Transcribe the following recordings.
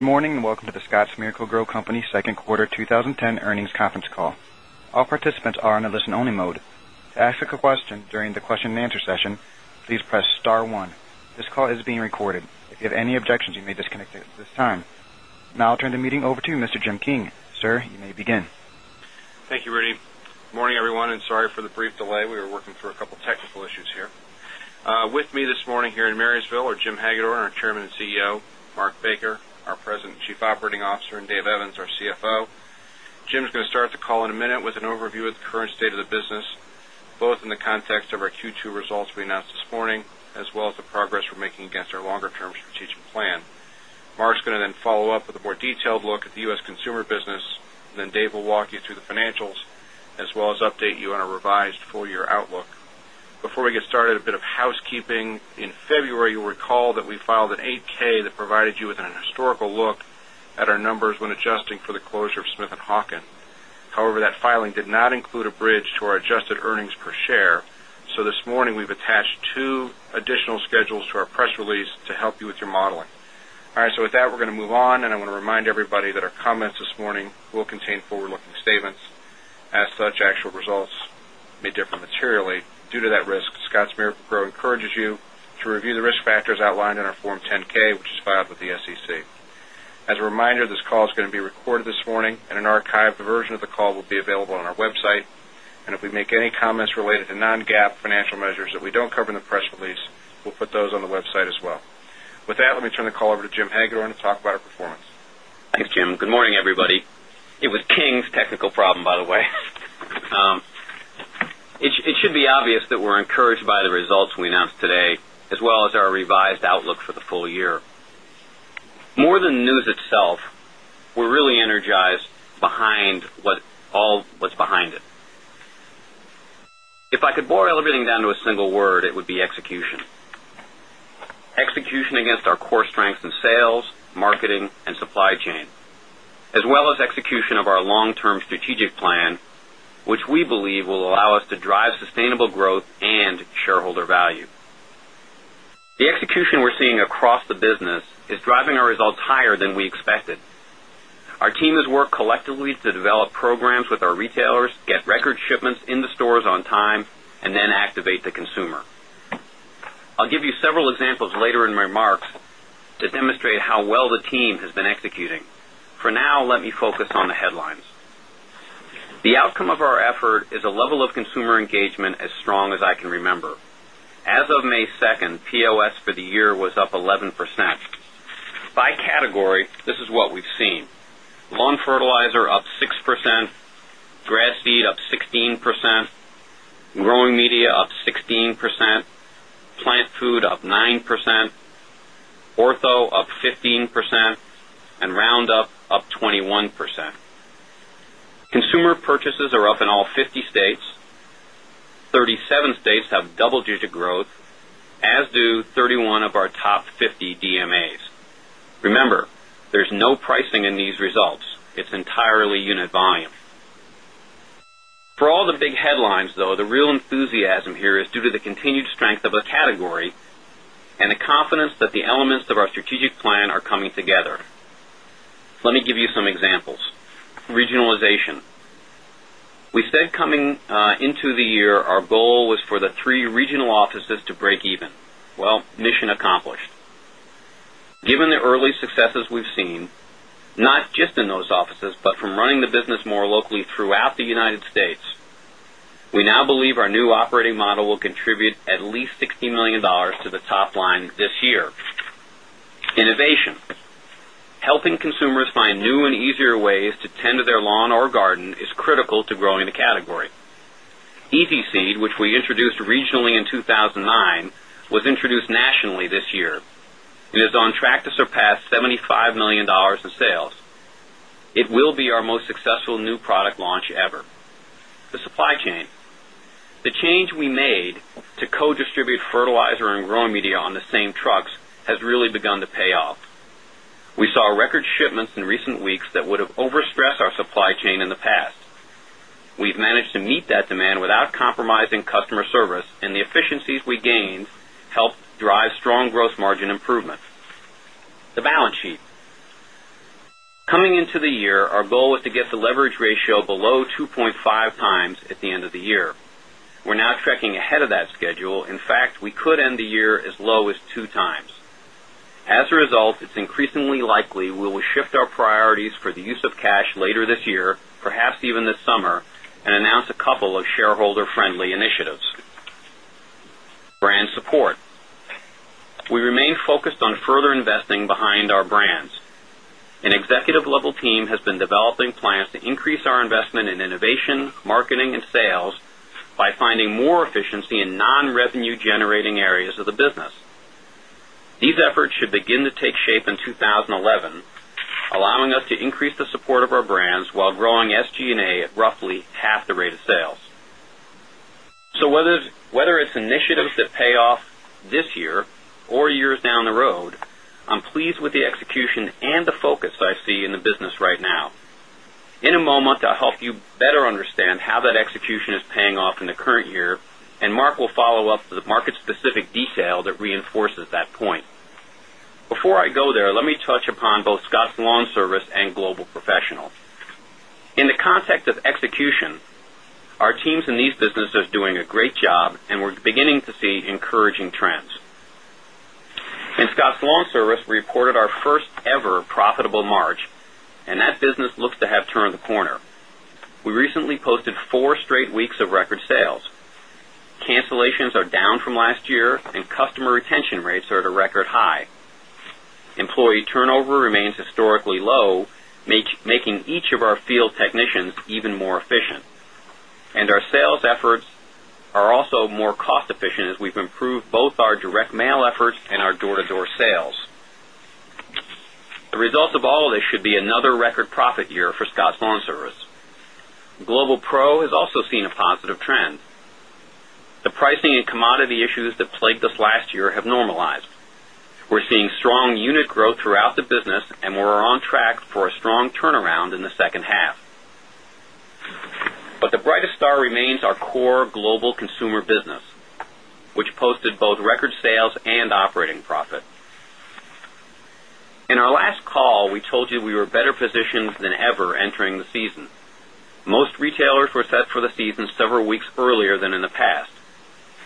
Welcome to the Scotts Miracle Gro Company Second Quarter 20 10 Earnings Conference Call. All participants are in a listen only mode. This call is being recorded. If you have any objections, you may disconnect at this time. Now I'll turn the meeting over to Mr. Jim King. Sir, you may begin. Thank you, Rudy. Good morning, everyone, and sorry for the brief delay. We were working through a couple of technical issues here. With me this morning here in Marysville are Jim Hagedorn, our Chairman and CEO Mark Baker, our President and Chief Operating Officer and Dave Evans, our CFO. Jim is going to start the call in a minute with an overview of the current state of the business, both in the context of our Q2 results we announced this morning as well as the progress we're making against our longer term strategic plan. Mark is going to then follow-up with a more detailed look at the U. S. Consumer business, and then Dave will walk you through the financials as well as update you on our revised full year outlook. Before we get started, a bit of housekeeping. In February, you recall that we filed an 8 ks that provided you with an historical look at our numbers when adjusting for the closure of Smith and Hawken. However, that filing not include a bridge to our adjusted earnings per share. So this morning, we've attached 2 additional schedules to our press release to help you with your modeling. All right, so with that, we're going to move on and I want to remind everybody that our comments this morning will contain forward looking statements. As such, actual results may differ materially. Due to that risk, Scottsmere to review the risk factors outlined in our Form 10 ks, which is filed with the SEC. As a reminder, this call is going to be recorded this morning and an archived version of the call will be available on our website. And if we make any comments related to non GAAP financial measures that we don't cover in the press release, we'll put those on the website as well. With that, let me turn the call over to Jim Hagedorn to talk about our performance. Thanks, Jim. Good morning, everybody. It was King's technical problem by the way. It should be obvious that we're encouraged by the results we announced today, as well as our revised If I could boil everything down to a single word, it would be execution. If I could boil everything down to a single word, it would be execution. Execution against our core strengths in sales, marketing and supply chain, as well as execution of our long term strategic plan, which we believe will allow us to drive sustainable growth and shareholder value. The execution we're seeing across the business is driving our results higher than we expected. Our team has worked collectively to develop programs with our retailers, shipments in the stores on time and then activate the consumer. I'll give you several examples later in my remarks demonstrate how well the team has been executing. For now, let me focus on the headlines. The outcome of our effort is a level of consumer engagement as strong as I can remember. As of May 2, POS for the year was up 11%. By category, this is what we've seen lawn fertilizer up 6%, grass feed up 16%, growing media up Consumer purchases are up in all 50 states, 37 states have double digit growth as do 31 of our top 50 DMAs. Remember, there's no pricing in these continued strength of the category and the confidence that the elements of our strategic plan are coming together. Let me give you some examples. Regionalization, we said coming into the year, our goal was for the 3 regional offices to breakeven. Well, mission accomplished. Given the early successes we've seen, not just in those offices, but from running the business more locally throughout the United States. We now believe our new operating model will contribute at least $60,000,000 to the top line this year. Innovation, helping consumers find new and easier ways to tend to their lawn or garden is critical to growing the category. Easy Seed, which we introduced regionally in 2009 was introduced nationally this year. It is on track to surpass $75,000,000 in sales. It will be our most successful new product launch ever. The supply chain, the change we made to co distribute fertilizer and growing media on the same trucks has really begun to pay off. We saw record shipments in recent weeks that would have overstressed our supply chain in the past. We've managed to meet that demand without compromising customer service and the efficiencies we gained help drive strong gross margin improvement. The balance sheet, coming into the year, our goal is to get the leverage ratio below 2 point 5 times at the end of the year. We're now tracking ahead of that schedule. In fact, we could end the year as low as 2 times. As a result, it's increasingly likely we will shift our priorities for the use of cash later this year, perhaps even this summer and announce a couple of shareholder friendly initiatives. Brand support, we remain focused on further investing behind our brands. An executive level team has been developing with the execution and the focus I see in the business right now. In a moment, I'll help you better understand how that execution is paying off in the current year and Mark will follow-up to the market specific detail that reinforces that point. Before I go there, let me touch upon both Scott's lawn service our sales efforts are also more cost efficient as we've improved both our direct mail efforts and our door to door sales. The results of all of this should be another record profit year for Scotts Loan Service. Global Pro has also seen a positive trend. The pricing and commodity issues that plagued us last year have normalized. We're seeing strong unit growth throughout the business and we're on track for a strong turnaround in the second half. But the brightest star remains our core global consumer business, which posted both record sales and operating profit. In our last call, we told you we were better positioned than ever entering the season. Most retailers were set for the season several weeks earlier than in the past.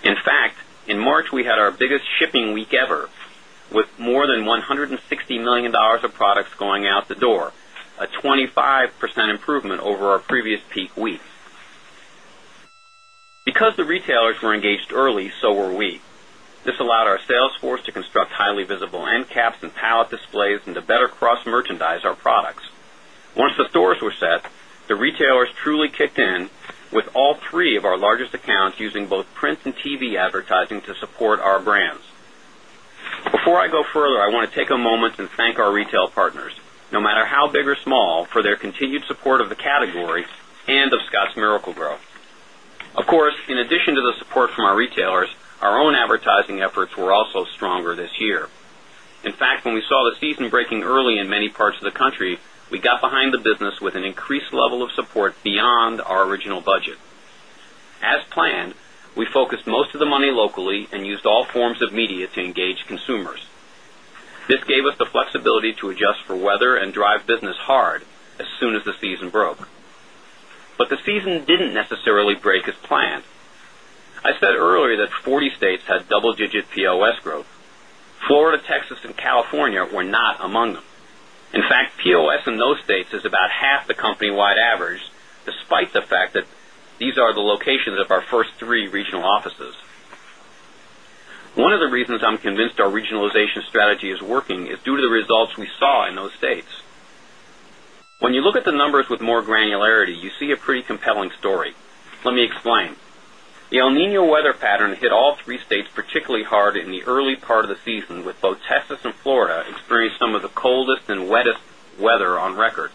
In fact, in March, we had our biggest shipping week ever with more than $160,000,000 of products going out the door, a 25% improvement over our previous peak weeks. Because the retailers were engaged early, so were we. This allowed our sales force to construct highly visible end caps and pallet displays and to better cross merchandise our products. Once the stores were set, the retailers truly kicked in with all three of our largest accounts using both print and TV advertising to support our brands. Before I go further, I want to take a moment and thank our retail partners, no matter how big or small for their continued support of the category and of Scotts Miracle Growth. Of course, in addition to the support from our retailers, our own advertising efforts were also stronger this year. In fact, when we saw the season breaking early in many parts of the country, we got behind the business with an increased level of support beyond our original budget. As planned, we focused most of the money locally and used all forms of media to engage consumers. This gave us the earlier that 40 states had double digit POS growth. Florida, Texas and California were not among them. In fact, POS in those states is about half the company wide average despite the fact that these are the locations of our first three regional offices. One of the reasons I'm convinced our regionalization strategy is working is due to the results we saw in those states. When you look at the numbers with more granularity, you see a pretty compelling story. Let me explain. The El Nino weather pattern hit all 3 states particularly hard in the early part of the season with both Texas and Florida experienced some of the coldest and wettest weather on record.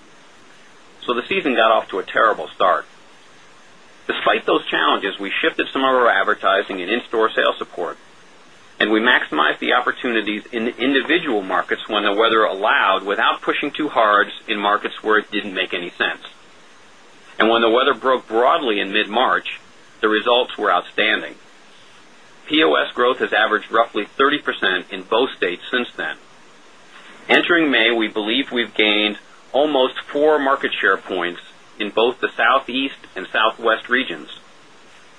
So the season got off to a terrible start. Despite those challenges, we shifted some of our advertising and in store sales support and we maximize the opportunities in individual markets when the weather allowed without pushing too hard in markets where it didn't make any sense. And when the weather broke broadly in mid March, the results were outstanding. POS growth has averaged roughly 30% in both states since then. Entering May, we believe we've gained almost 4 market share points in both the Southeast and Southwest regions.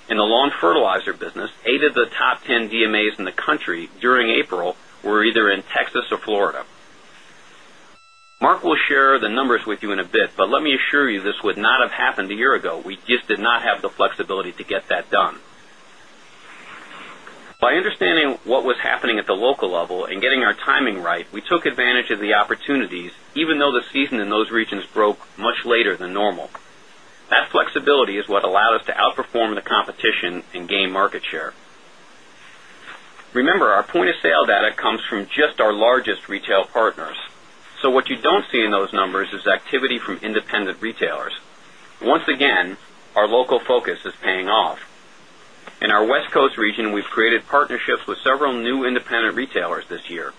In the lawn fertilizer business, 8 of the top 10 DMAs in the country during April were either in Texas or Florida. Mark will share the numbers with you in a bit, but let me assure you this would not have happened a year ago. We just did not have the flexibility to get that done. By understanding what was happening at the local level and getting our timing right, we took advantage of the opportunities even though the season in those regions broke much later than normal. That flexibility is what allowed us to outperform the competition and gain market share. Remember, our point of sale data comes from just our largest retail partners. So what you don't see in those numbers is activity from independent retailers. Once again, our local focus is paying off. In our West Coast region, we've created partnerships with several new independent retailers this year.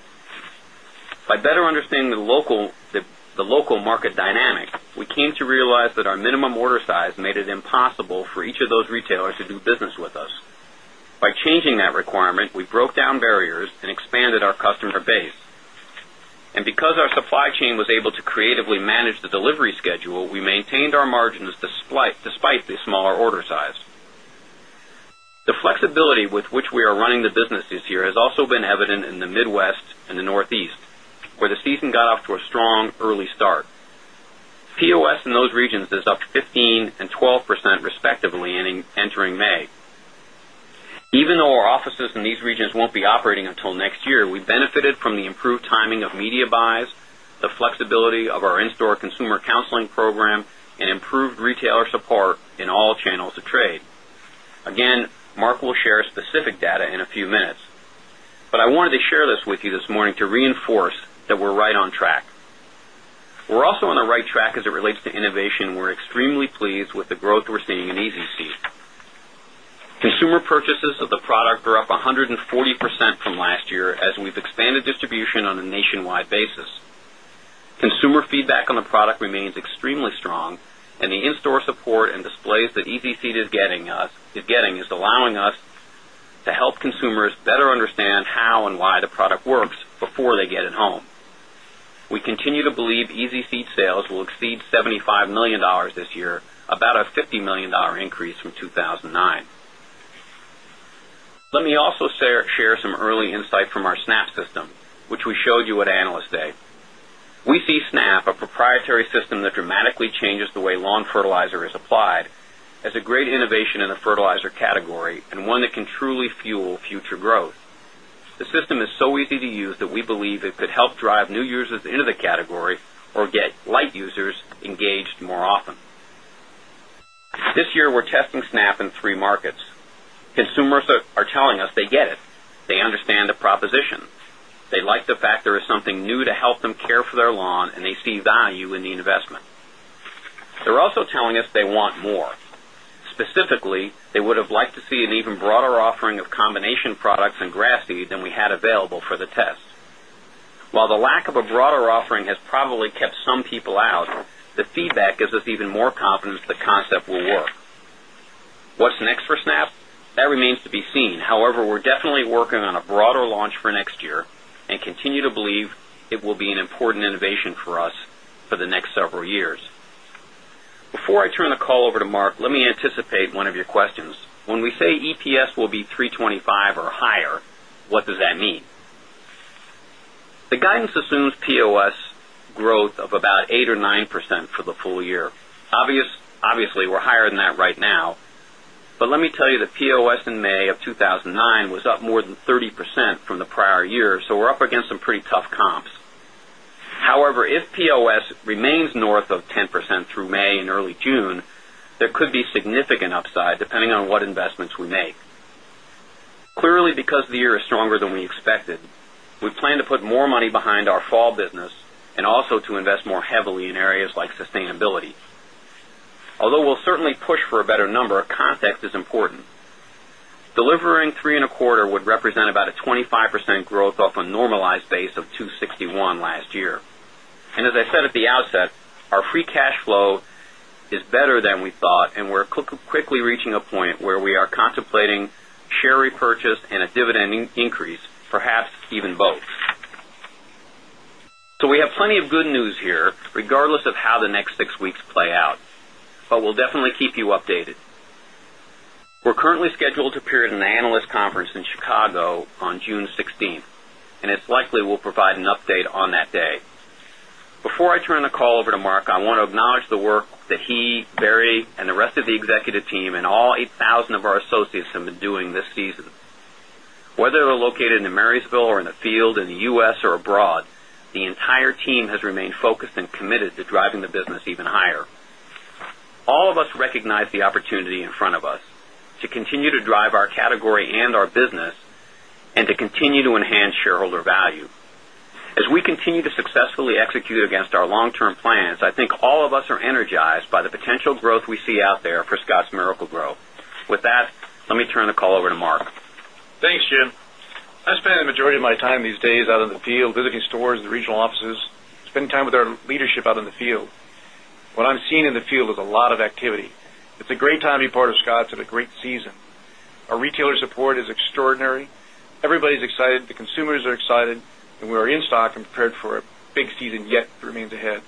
By better understanding the local market dynamic, we came to realize that our minimum order size made it impossible for each of those retailers to do business with us. By changing that requirement, we broke down barriers and expanded our customer base. And because our supply chain was able to creatively manage the delivery schedule, we maintained our margins despite the smaller order size. The flexibility with which we are running the business this year has also been evident in the Midwest and the Northeast where the season got off to a strong early start. POS in those regions is up 15% 12% respectively entering May. Even though our offices in these regions won't be operating until next year, we benefited from the improved timing of media buys, the flexibility of our in store consumer counseling program and improved retailer support in all reinforce that we're right on track. We're also on the right track as it relates to innovation. We're extremely pleased with the growth we're seeing in EZC. Consumer purchases of the product were up 140% from last year as we've expanded distribution on a nationwide basis. Consumer feedback on the product remains extremely strong and the in store support and displays that EZ Seed is getting is allowing us to help consumers better understand how and why works before they get at home. We continue to believe EZ Seat sales will exceed $75,000,000 this year about $50,000,000 increase from 2,009. Let me also share some early insight from our Snap system, which we showed you at Analyst Day. We see SNAP, a proprietary system that dramatically changes the way lawn fertilizer is applied as a great innovation in fertilizer category and one that can truly fuel future growth. The system is so easy to use that we believe it could help drive new users into the category or get light users engaged more often. This year we're testing Snap in 3 markets. Consumers are telling us they get it. They understand the proposition. They like the fact there is something new to help them care for their lawn and they see value in the investment. They're also telling us they want more. Specifically, they would have liked to see an even broader offering of combination products and grass seed than we had available for the test. While the lack of a broader offering has probably kept some people out, the feedback gives us even more confidence the concept will work. What's next for Snap? That remains to be seen. However, we're definitely working on a broader launch for next year and continue to believe it will be an important innovation for us for the next several years. Before I turn the call over to Mark, let me anticipate one of your questions. When we say EPS will be $3.25 or higher, what does that mean? The guidance assumes POS growth of about 8% or 9% for the full year. Obviously, we're higher than that right now. But let me tell you that POS in May of 2,009 was up more than 30% from the prior year, so we're up against some pretty tough comps. However, if POS remains north of 10% through May early June, there could be significant upside depending on what investments we make. Clearly, because the year is stronger than we expected, we plan to put more money behind our fall business and also to invest more heavily in areas like sustainability. Although we'll certainly push for a better number of context is important. Delivering 3.25% would represent about a 25% growth off a normalized base of 2.61% last year. And as I said at the outset, our free cash flow is better than we thought and we're quickly reaching a point where we are contemplating share repurchase and a dividend increase, perhaps even both. We have plenty of good news here regardless of how the next 6 weeks play out, but we'll definitely keep you updated. Are currently scheduled to appear at an Analyst Conference in Chicago on June 16, and it's likely we'll provide an update on that day. Before I turn the call over to Mark, I want to acknowledge the work that he, Barry and the rest of the executive team and all 8,000 of our associates have been doing this season. Whether in the Marysville or in the field in the U. S. Or abroad, the entire team has remained focused and committed to driving the business even higher. All of us recognize the opportunity in front of us to continue to drive our category and our business and to continue to enhance shareholder value. As we continue to successfully execute against our long term plans, I think all of us are energized by the potential growth we see out there for Scotts Miracle Gro. With that, let me turn the call over to Mark. Thanks, Jim. I spend the majority of my time these days out in the field visiting stores, the regional offices, spend time with our leadership out in the field. What I'm seeing in the field is a lot of activity. It's a great time to be part of Scotts and a great season. Our retailer support is extraordinary. Everybody is excited, the consumers are excited and we are in stock and prepared for a big season yet remains ahead.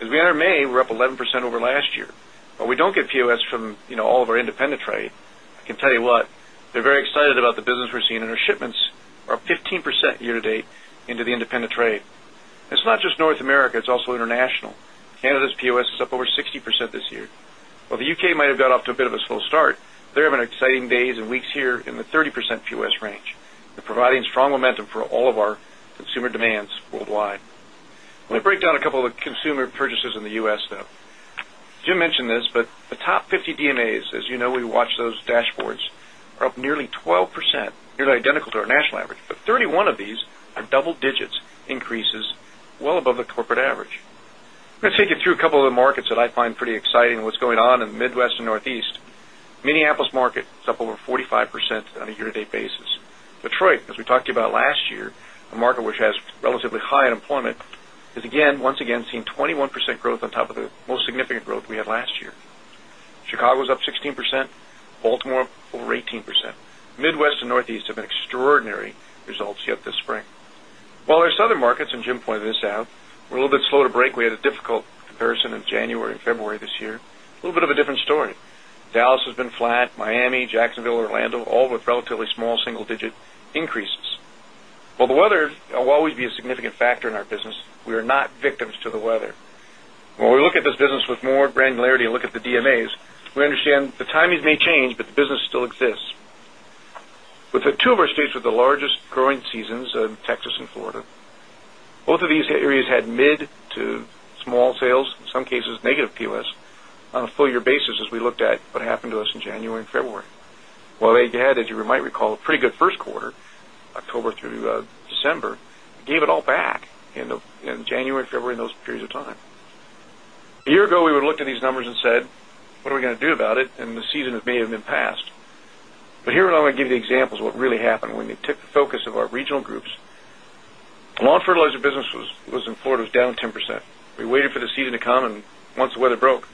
As we enter May, we're up 11% over last year, but we don't get POS from all of our independent trade. I can tell you what, they're very excited about the business we're seeing in our shipments are 15% year to date into the independent trade. It's not just North America, it's also international. Canada's POS is up over 60% this year. While the UK might have got off to a bit of a slow start, there have an exciting days and weeks here in the 30% U. S. Range, providing strong momentum for all of our consumer demands worldwide. Let me break down a couple of consumer purchases in the U. S. Though. Jim mentioned this, but the top 50 DMAs as you know we watch those dashboards are up nearly 12% to our national average, but 31 of these are double digits increases well above the corporate average. Let me take you through a couple of the markets that I find pretty exciting what's going on in the Midwest and Northeast. Minneapolis market is up over 45% on a year to date basis. Detroit, as we talked about last year, a market which has relatively high unemployment is again once again seen 21% growth on top of the most significant growth we had last year. Chicago was up 16%, Baltimore over 18%, Midwest and Northeast have an extraordinary results yet this spring. While our Southern markets and Jim pointed this out, we're a little bit slow to break, we had a difficult comparison in January February this year, a little bit of a different story. Dallas has been flat, Miami, Jacksonville, Orlando, all with relatively small single digit increases. While the weather will always be a significant factor in our business, we are not victims to the weather. When we look at this business with more granularity and look at the DMAs, we understand the timing may change, but the business still exists. With the of our states with the largest growing seasons, Texas and Florida, both of these areas had mid to small sales in some cases negative POS on a full year basis as we looked at what happened to us in January February. While they had as you might recall a pretty good Q1, October through December, we gave it all back in January February in those periods of of it and the season has may have been passed. But here I'm going to give you examples of what really happened when we took the focus of our regional groups. Lawn fertilizer business was in Florida was down 10 percent. We waited for the season to come and once the weather broke,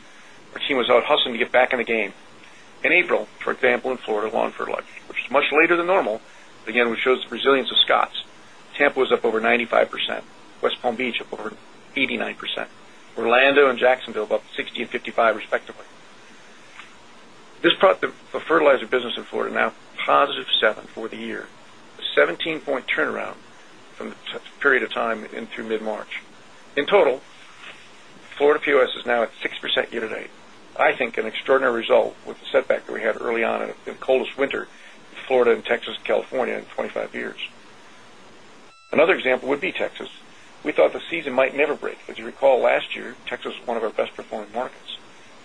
our team was out hustling to get back in the game. In April, for example, in Florida lawn fertilizer, which is much later than normal, Orlando and Jacksonville up 60% and 55%, respectively. This product of fertilizer business in Florida now positive 7% for the year, 17 point turnaround from the period of time in through mid March. In total, Florida POS is now at 6% year to date. I think an extraordinary result with the setback that we had early on in the coldest winter in Florida and Texas, California in 25 years. Another example would be Texas. We thought the season might never break, as you recall last year, Texas is one of our best performing markets.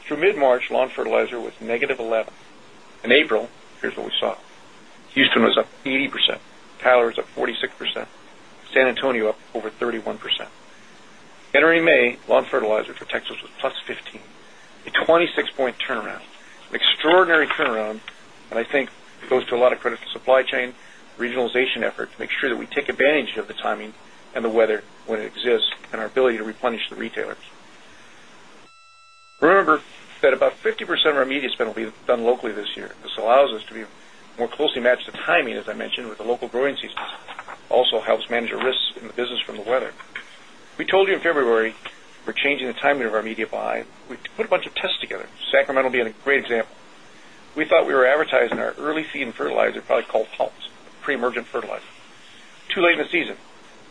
Through mid March lawn fertilizer was negative 11. Here's what we saw, Houston was up 80%, Tyler was up 46%, San Antonio up over 31%. Entering May, lawn fertilizer for Texas was plus 15, a 26 point turnaround, extraordinary turnaround and I think it goes to a lot of credit for supply chain regionalization effort to make sure that we take advantage of the timing and the weather when it exists and our ability to replenish the retailers. Remember that about 50% of our media spend will be done locally this year. This allows us to be more closely matched the timing as I mentioned with the local growing seasons, also helps manage the risks in the business from the weather. We told you in February, we're changing the timing of our media buy, we put a bunch of tests together, Sacramento being a great example. We thought we were advertising our early feed in fertilizer probably called halts, pre emergent fertilizer. Too late in the season,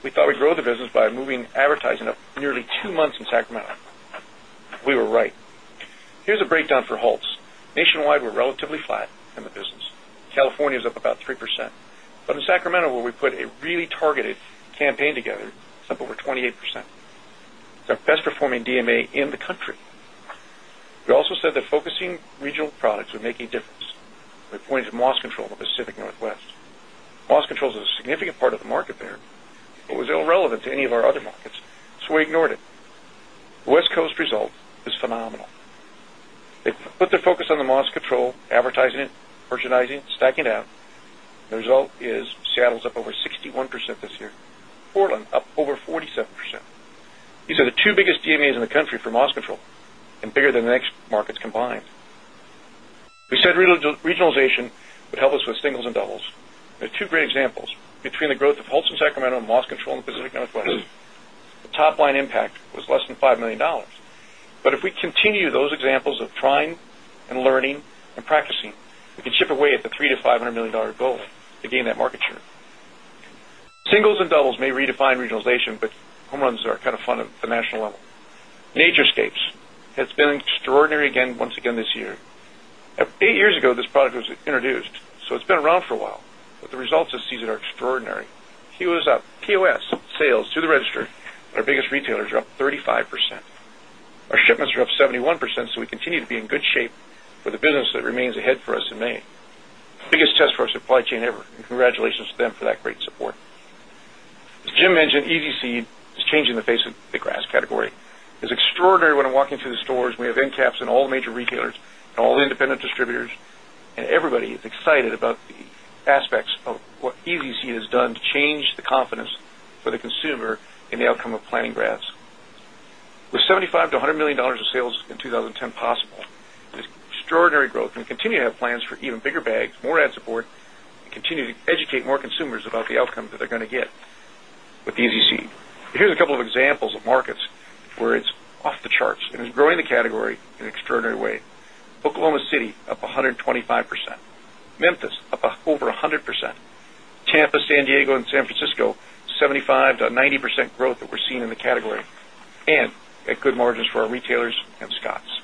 we thought we grow the business by moving advertising up nearly 2 months in Sacramento. We were right. Here's a breakdown for HALT's. Nationwide, we're relatively flat in the business. California is up about 3%, but in Sacramento where we put a really targeted campaign together, it's up over 28%. It's our best performing DMA in the country a significant part of the market there, but was irrelevant to any of our other markets, so we ignored it. West Coast result is phenomenal. They put the focus on the MOS Control advertising, merchandising, stacking down, the result is Seattle is up over 61% this year, Portland up over 40 7%. These are the 2 biggest DMAs in the country for MOS Control and bigger than the next markets combined. We said regionalization would help us with singles and doubles. There are 2 great examples between the growth of Holts and Sacramento moss control in the Pacific Northwest. The top line impact was less than away at the $300,000,000 to $500,000,000 goal to gain that market share. Away at the $300,000,000 to $500,000,000 goal to gain that market share. Singles and doubles may redefine regionalization, but home runs are kind of fun at the national level. NatureScapes has been extraordinary once again this year. 8 years ago this product was introduced, so it's been around for a while, but the results this season are extraordinary. He POS sales to the register, our biggest retailers are up 35%. Our shipments are up 71%, so we continue to be in good shape for the business that remains ahead for us in May, biggest test for our supply chain ever and congratulations to them for that great support. As Jim mentioned, EDC is changing the face of the grass category. It's extraordinary when I'm walking through the stores, we have end caps in all major retailers and all the independent distributors and everybody is excited about the aspects of what EZC has done to change the confidence for the consumer in the outcome of planning graphs. With $75,000,000 to $100,000,000 of sales in 2010 possible, extraordinary growth and continue to have plans for even bigger bags, more ad support, continue to educate more consumers about the outcome that they're going to get with Easy Seed. Here's a couple of examples of markets where it's off the charts and is growing the category in extraordinary way. Oklahoma City up 125%, Memphis up over 100% Tampa, San Diego and San Francisco 75% to 90% growth that we're seeing in the category and a good margins for our retailers and Scotts.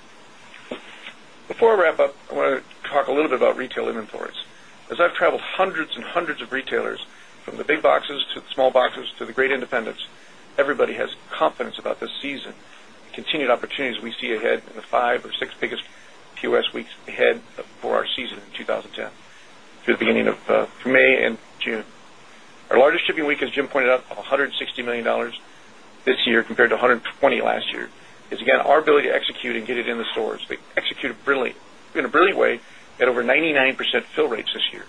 Before I wrap up, I want to talk a little bit about retail imports. As I've traveled hundreds and hundreds of retailers from the big boxes to the small boxes to the great independents, everybody has confidence about this season, continued opportunities we see ahead in the 5 or 6 biggest POS weeks ahead for our season in 2010 through the beginning of May June. Our largest shipping week as Jim pointed out, brilliant way at over 99% fill rates this year. So the retail a brilliant way at over 99% fill rates this year.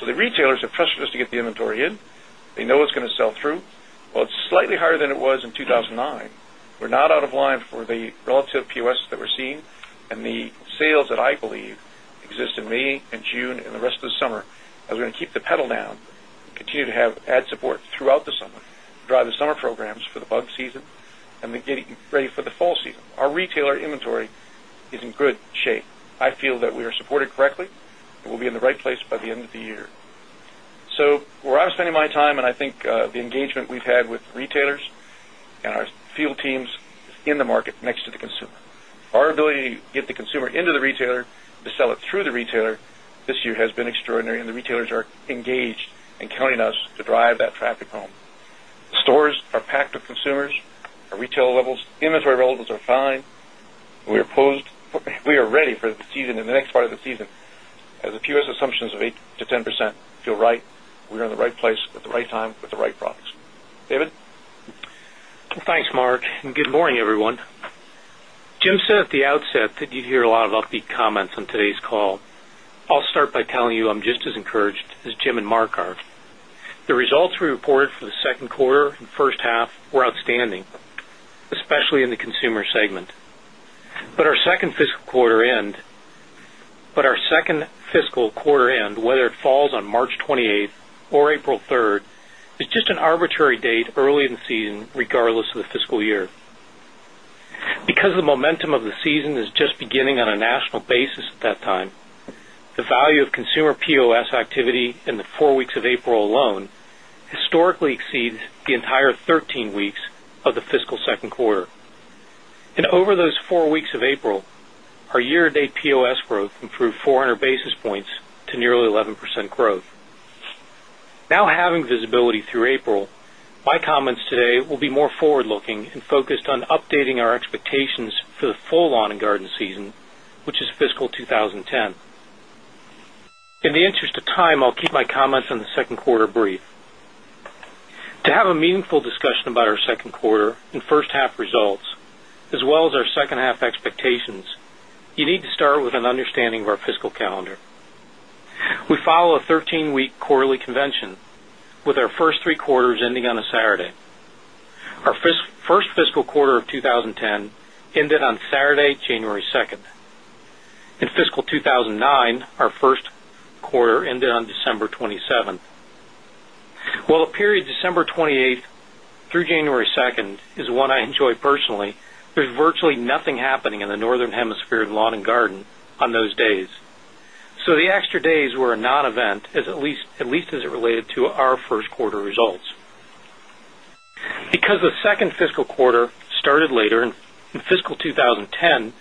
So the retailers have trusted us to get the inventory in, they know it's going to sell through, but it's slightly higher than it was in 2009, we're not out of line for the relative POS that we're seeing and the sales that I believe exist in May June and the rest of the summer, as we're going to keep the pedal down, continue to have ad support throughout the summer, drive the summer programs for the bug season and then getting ready for the fall season. Our retailer inventory is in good shape. I feel that we are supported correctly and we'll be in the right place by the end of the year. So where I'm spending my time and I think the engagement we've had with retailers and our field teams in the market next to the consumer. Our ability to get the consumer into the retailer to sell it through the with consumers, our retail levels, inventory relevance are fine, we are ready for the season and the next part of the season as the few assumptions of 8% to 10 percent feel right, we are in the right place at the right time with the right products. David? Thanks, Mark, and good morning, everyone. Jim said at the outset that you hear a lot of upbeat comments on today's call. I'll start by telling you I'm just as encouraged as Jim and Mark are. The results we reported for the Q2 and first half were outstanding, especially in the Consumer segment. But our 2nd fiscal quarter end, whether it falls on March 28 or April 3, is just an arbitrary date early in the season regardless of the fiscal year. Because the momentum of the season is just beginning on a national basis at that time, the value of consumer POS activity in the 4 weeks of April alone historically exceeds the entire 13 weeks of the fiscal Q2. And over those 4 weeks of April, our year to date POS growth improved 400 basis points to nearly 11 percent growth. Now having visibility through April, my comments today will be more forward looking and focused on updating our expectations for the full lawn and garden season, which is fiscal 2010. In the interest of time, I'll keep my comments on the Q2 brief. To have a meaningful discussion about our second quarter and first half results, as well as our second half expectations, you need to start with an understanding of our fiscal calendar. We follow a 13 week quarterly convention with our 1st three quarters ending on a Saturday. Our 1st fiscal quarter of 2010 ended on Saturday, January 2. In fiscal 2 1009, our Q1 ended on December 27. While the period December 28 through January 2 is one I enjoy personally, there's virtually nothing happening in the Northern Hemisphere Lawn and Garden on those days. So the extra days were a non event at least as it related to our Q1 results. Because the 2nd fiscal quarter started later in fiscal 2010,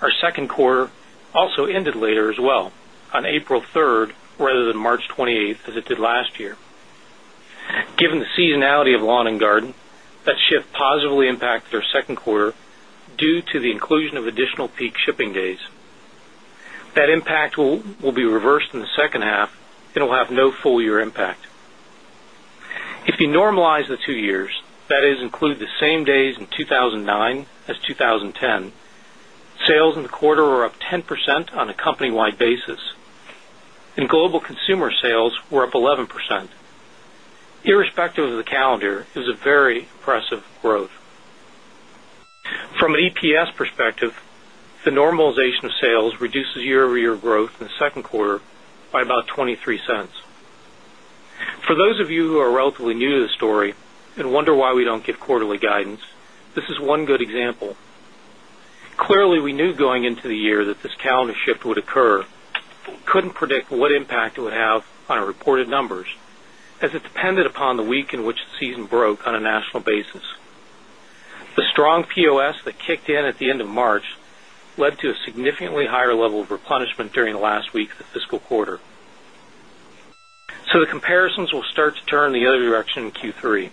our Q2 also ended later as well on April 3 rather than March 28 as it did last year. Given the seasonality of lawn and garden, that shift positively impacted our 2nd quarter due to the inclusion of additional peak shipping days. That impact will be reversed in the second half. It will have no full year impact. If you normalize the 2 years, that is include the same days in 2,009 as 2010, sales in the quarter were up 10% on a company wide basis and global consumer sales were up 11%. Irrespective of the calendar, it was a very impressive growth. From an EPS perspective, the normalization of sales reduces year over year growth in the Q2 by about $0.23 For those of you who are relatively new to the story and wonder why we don't what impact it would have on our reported numbers as it depended upon the week in which the season broke on a national basis. The strong POS that in at the end of March led to a significantly higher level of replenishment during the last week of the fiscal quarter. So the comparisons will start to turn the other direction in Q3.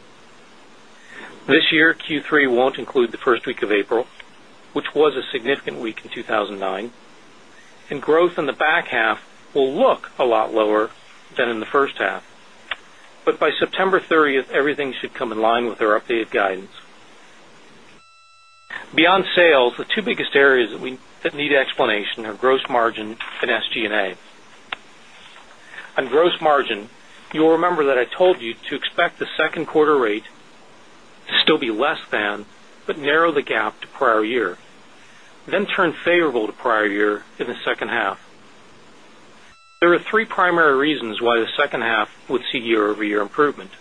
This year Q3 won't include the 1st week of April, which was a significant week in 2,009 and growth in the back half will look a lot lower than in the first half. But by September 30, everything should come in line with our updated guidance. Beyond sales, the 2 biggest areas that need explanation are gross margin and SG and A. On gross margin, you'll remember that I told you to expect the 2nd quarter rate to still be less than, but narrow the gap to prior year, then turn favorable to prior year in the second half. There are 3 primary reasons why the second half would see year over year improvement.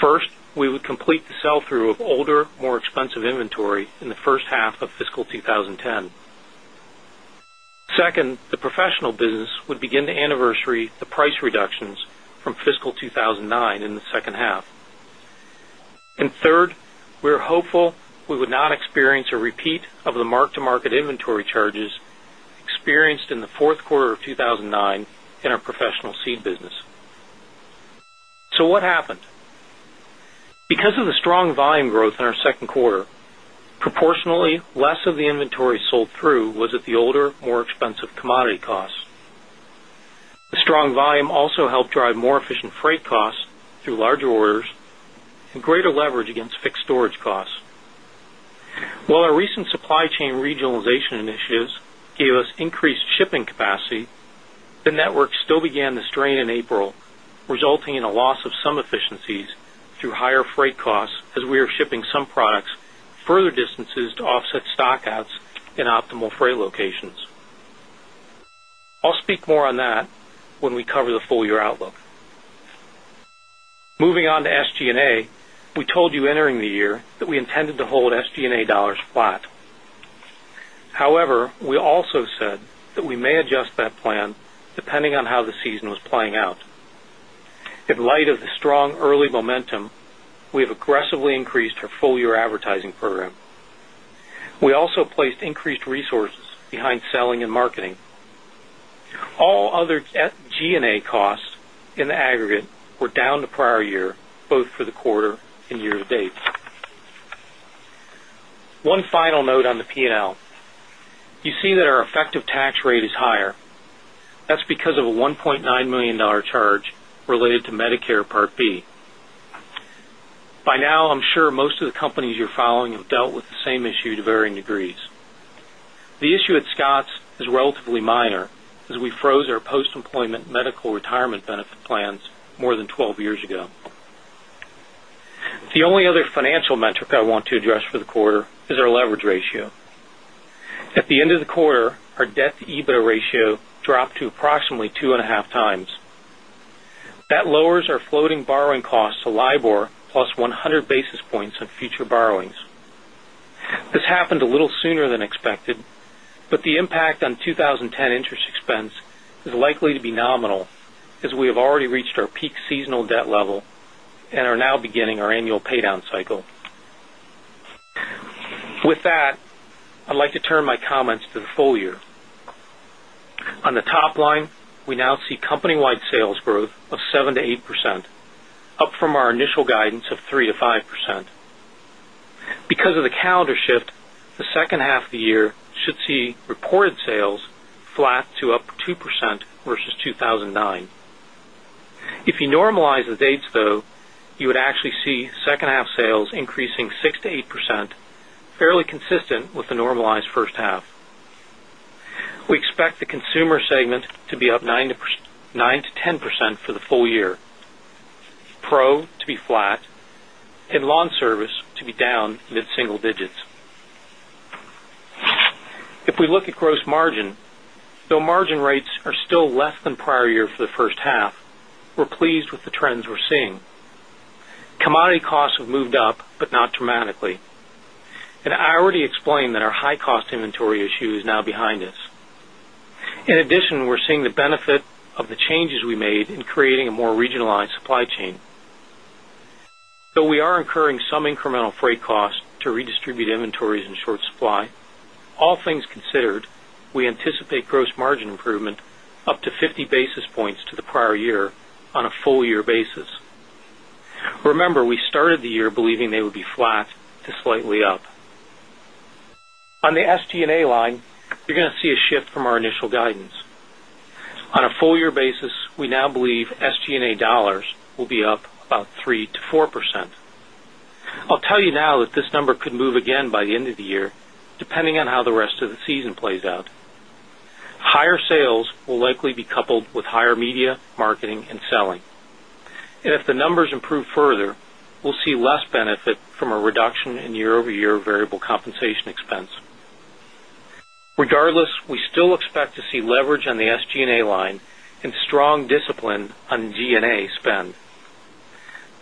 First, we would complete the sell through of older more expensive inventory in the first half of fiscal 2010. 2nd, the professional business would begin to anniversary the price reductions from fiscal 2 2,009 in the second half. And third, we are hopeful we would not experience a repeat of the mark to market inventory charges experienced in the Q4 of 2019 in our Professional Seed business. So what happened? Because of the strong volume growth in our Q2, proportionally less of the inventory sold through was at the older more expensive commodity costs. The strong volume also helped drive more efficient freight costs through larger orders and greater leverage against fixed storage costs. While our recent supply chain regionalization initiatives gave us increased shipping capacity, the network still began the strain in April, resulting in optimal freight locations. I'll speak more on that when we cover the full year outlook. Moving on to SG and A, we told you entering the year that we intended to hold SG and A dollars flat. However, we also said that we may adjust that plan depending on how the season was playing out. In light of the strong early momentum, we have aggressively increased our full year advertising program. We also placed increased resources behind selling and marketing. All other G and A costs in the aggregate were down the prior year, both for the quarter year to date. One final note on the P and L. You see that our effective tax rate is higher. That's because of a $1,900,000 charge related to Medicare Part B. By now, I'm sure most of the companies you're following have dealt with the same issue to varying is The only other financial metric I want to address for the quarter is our leverage ratio. At the end of the quarter, our debt to EBITDA ratio dropped to approximately 2.5 times. That lowers our floating borrowing costs to LIBOR plus 100 basis points of future borrowings. This happened a little sooner than expected, but the impact on 20 expense is likely to be nominal as we have already reached our peak seasonal debt level and are now beginning our annual pay down cycle. With that, I'd like to turn my comments to the full year. On the top line, we now see companywide sales growth of 7% to 8%, up from our initial guidance of 3% to 5%. Because of the calendar shift, normalized first half. We expect the consumer segment to be up 9% to 10% for the full year, and lawn service to be down mid single digits. If we look at gross margin, though margin rates are still less than prior year for the first half, we're pleased with the trends we're seeing. Commodity costs have moved up, but not dramatically. And I already explained that our high cost inventory issue is now behind us. In addition, we're seeing the benefit of the changes we made in creating a more regionalized supply chain. So we are incurring incurring some incremental freight costs to redistribute inventories in short supply. All things considered, we anticipate gross margin improvement up to 50 basis points to the prior year on a full year basis. Remember, we started the year believing they would be flat to slightly up. On the SG and A line, you're going to see a shift from our initial guidance. On a full year basis, we now believe SG and A dollars will be up about 3% to 4%. I'll tell you now that this number could move again by the end of the year, depending on how the rest of the season plays out. Higher sales will likely be coupled with higher media, marketing and selling. And if the numbers improve further, we'll see less benefit from a reduction in year over year variable compensation expense. Regardless, we still expect to see leverage on the SG and A line and strong discipline on G and A spend.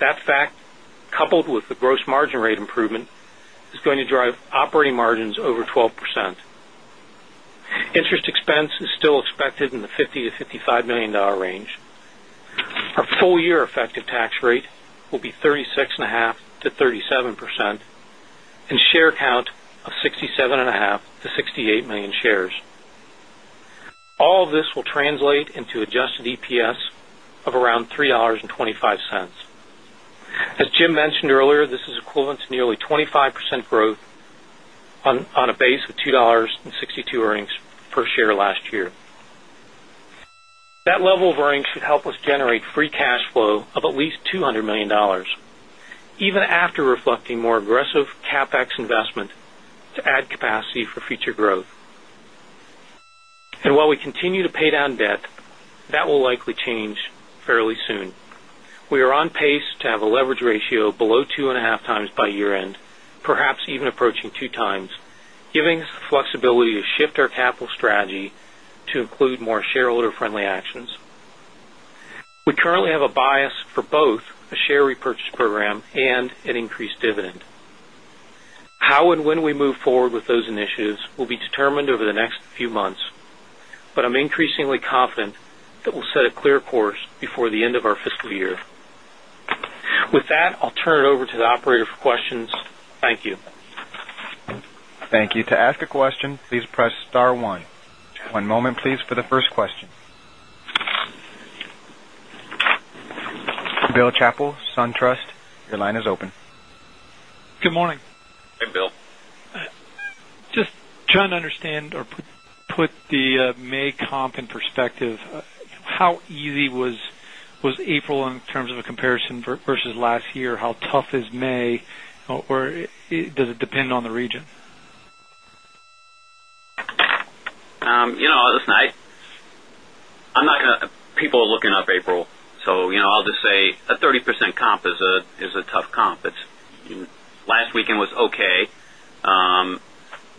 That fact, coupled with the gross margin rate improvement is going to drive operating margins over 12%. Interest expense is still expected in the $50,000,000 to $55,000,000 range. Our full year effective tax rate will be 36.5% to 37% and share count of 67.5000000 to 68000000 shares. All of this will translate into adjusted EPS of around $3.25 As Jim mentioned earlier, this is equivalent to nearly 25% growth on a base of $2.62 earnings per share last year. That level of earnings should help us generate free cash flow of at least $200,000,000 even after reflecting more aggressive CapEx investment to add capacity for future growth. And while we continue to pay down debt, that will likely change fairly soon. We are on pace to have a leverage ratio below 2.5 times by year end, perhaps even approaching 2 times, giving us the flexibility to shift our capital strategy to include more shareholder friendly actions. We currently have a bias for both a share repurchase program and an increased dividend. How and when we move forward with those initiatives will be determined over the next few months, but I'm increasingly confident that we'll set a clear course before the end of our fiscal year. With that, I'll turn it over to the operator for questions. Thank you. Thank you. Bill Chappell, SunTrust. Your line is open. Good morning. Hi, Bill. Just trying to understand or put the May comp in perspective, how easy was April in terms of a comparison versus last year? How tough is May? Or does it depend on the region? Listen, I'm not going to people are looking up April. So I'll just say a 30% comp is a tough comp. Last weekend was okay.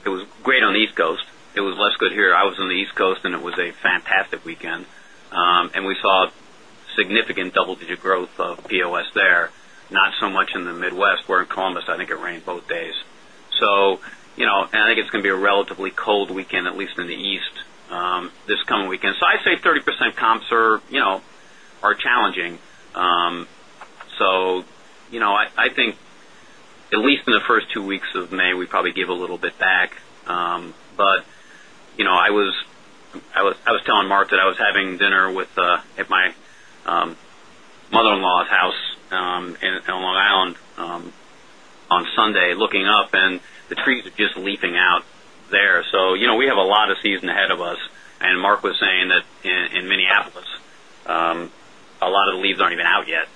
It was great on the East Coast. It was less good here. I was on the East Coast and it was a fantastic weekend. And we saw significant double digit growth of POS there, not so much in the Midwest, where in Columbus, I think it rained both days. So, and I think it's going to be a relatively cold weekend, at least in the East, this coming weekend. So I'd say 30% comps are challenging. So I think at least in the 1st 2 weeks of May, we probably give a little bit back. But I was telling Mark that I was having dinner at my mother in law's house in Long Island on Sunday looking up and the tree is just leaping out there. So we have a lot of season ahead of us. And Mark was saying that in Minneapolis, a lot of the leaves aren't even out yet.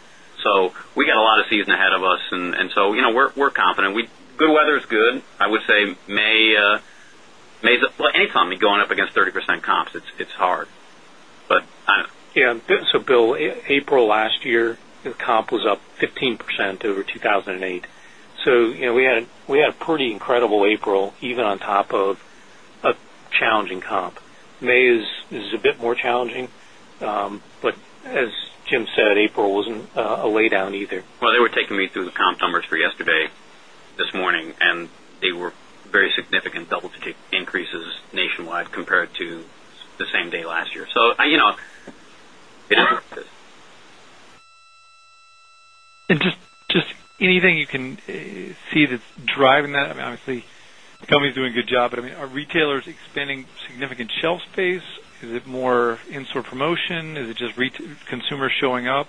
So we got a lot of season ahead of us and so we're confident. Good weather is good. I would say, May well, anytime we're going up against 30% comps, it's hard. Yes. So, Bill, April last year, the comp was up 15 percent over 2,008. So, we had a pretty incredible April even on top of a challenging comp. May is a bit more challenging, but as Jim said, April wasn't a lay down either. Well, were taking me through the comp numbers for yesterday, this morning, and they were very significant double digit increases nationwide compared to the same day last year. So, it is And just anything you can see that's driving that? I mean, obviously, the company is doing a good job, but I mean, are retailers expanding significant shelf space? Is it more in store promotion? Is it just consumer showing up?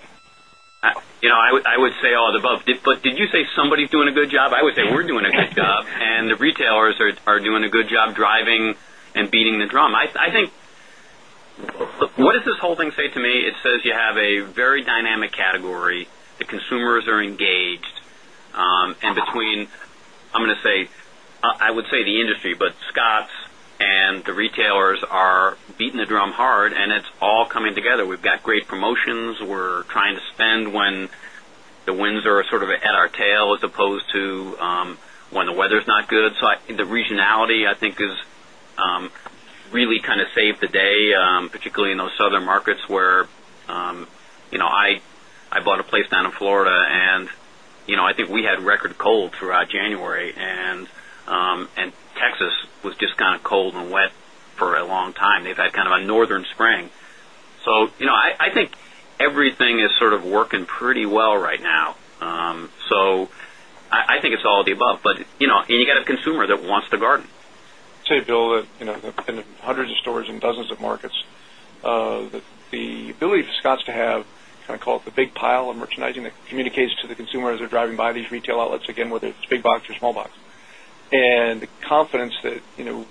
I would say all the above. But did you say somebody is doing a good job? I would say we're doing a good job and the retailers are doing a good job driving and beating the drum. I think what does this whole thing say to me? It says you have a very dynamic category. The consumers are engaged, and between, I'm going to say, I would say the industry, but Scotts and the retailers are beating the drum hard and it's all coming together. We've got great promotions. We're trying to spend when the wins are sort of at our tail as opposed to when the weather is not good. So I think the regionality, I think, is really kind of saved the day, particularly in those southern markets where I bought a place down in Florida and I think we had record cold throughout January and Texas was just kind of cold and wet for a long time. They had kind of a northern spring. So I think everything is sort of working pretty well right now. So I think it's all of the above, but and you got a consumer that wants to garden. I'd say, Bill, in hundreds of stores in dozens of markets, The ability for Scotts to have kind of call it the big pile of merchandising that communicates to the consumers as they're driving by these retail outlets, again, whether it's big box or small box. And the confidence that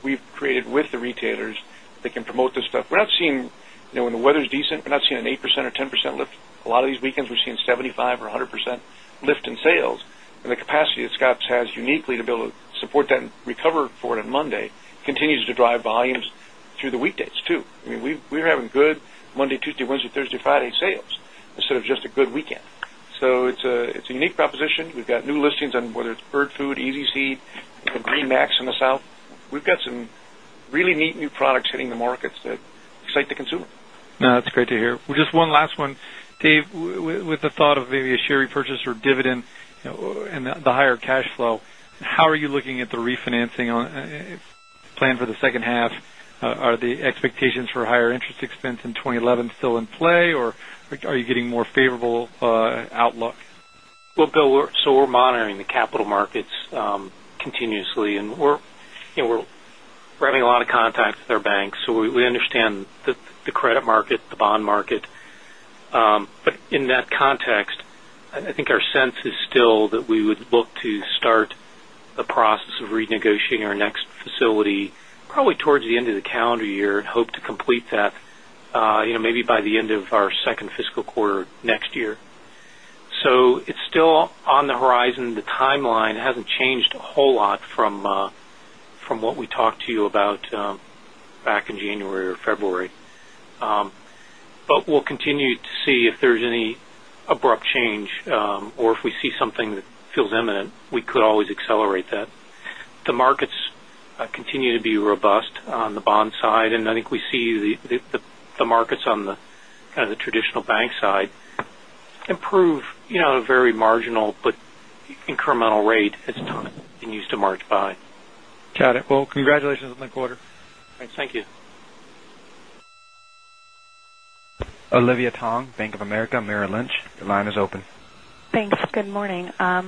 we've created with the retailers that can promote this stuff, we're not seeing when the weather is decent, we're not seeing an 8% or 10% lift, a lot of these weekends we're seeing 75% or 100% lift in sales and the capacity that Scotts has uniquely to build support that and recover for it on Monday continues to drive volumes through the weekdays too. I mean, we're having good Monday, Tuesday, Wednesday, Thursday, Friday sales instead of just a good weekend. So it's a unique proposition. We've got new listings on whether it's bird food, easy seed, the Greenmax in the South. We've got some really neat new products hitting the markets that excite the consumer. Great to hear. Just one last one. Dave, with the thought of maybe a share repurchase or dividend and the higher cash flow, How are you looking at the refinancing plan for the second half? Are the expectations for higher interest expense in 20 11 still in play or are you getting more favorable outlook? Well, Bill, so we're monitoring the capital markets continuously and we're running a lot of contacts with our banks. So we understand that the credit market, the bond market, but in that context, But in that context, I think our sense is still that we would look to start the process of renegotiating our next facility probably towards the end of the calendar year and hope to complete that maybe by the end of our 2nd fiscal quarter next year. So it's still on the horizon. The time line hasn't changed a whole lot from what we talked to you about back in January or February. But we'll continue to see if there is any abrupt change or if we see something that feels imminent, we could always accelerate that. The markets continue to be robust on the bond side and I think we see the markets on the kind of the traditional bank side improve at a very marginal, but incremental rate as time continues to march by. Got it. Well, congratulations on the quarter. Thanks. Thank you. Olivia Tong, Bank of America Merrill Lynch. Your line is open. Thanks. Good morning. I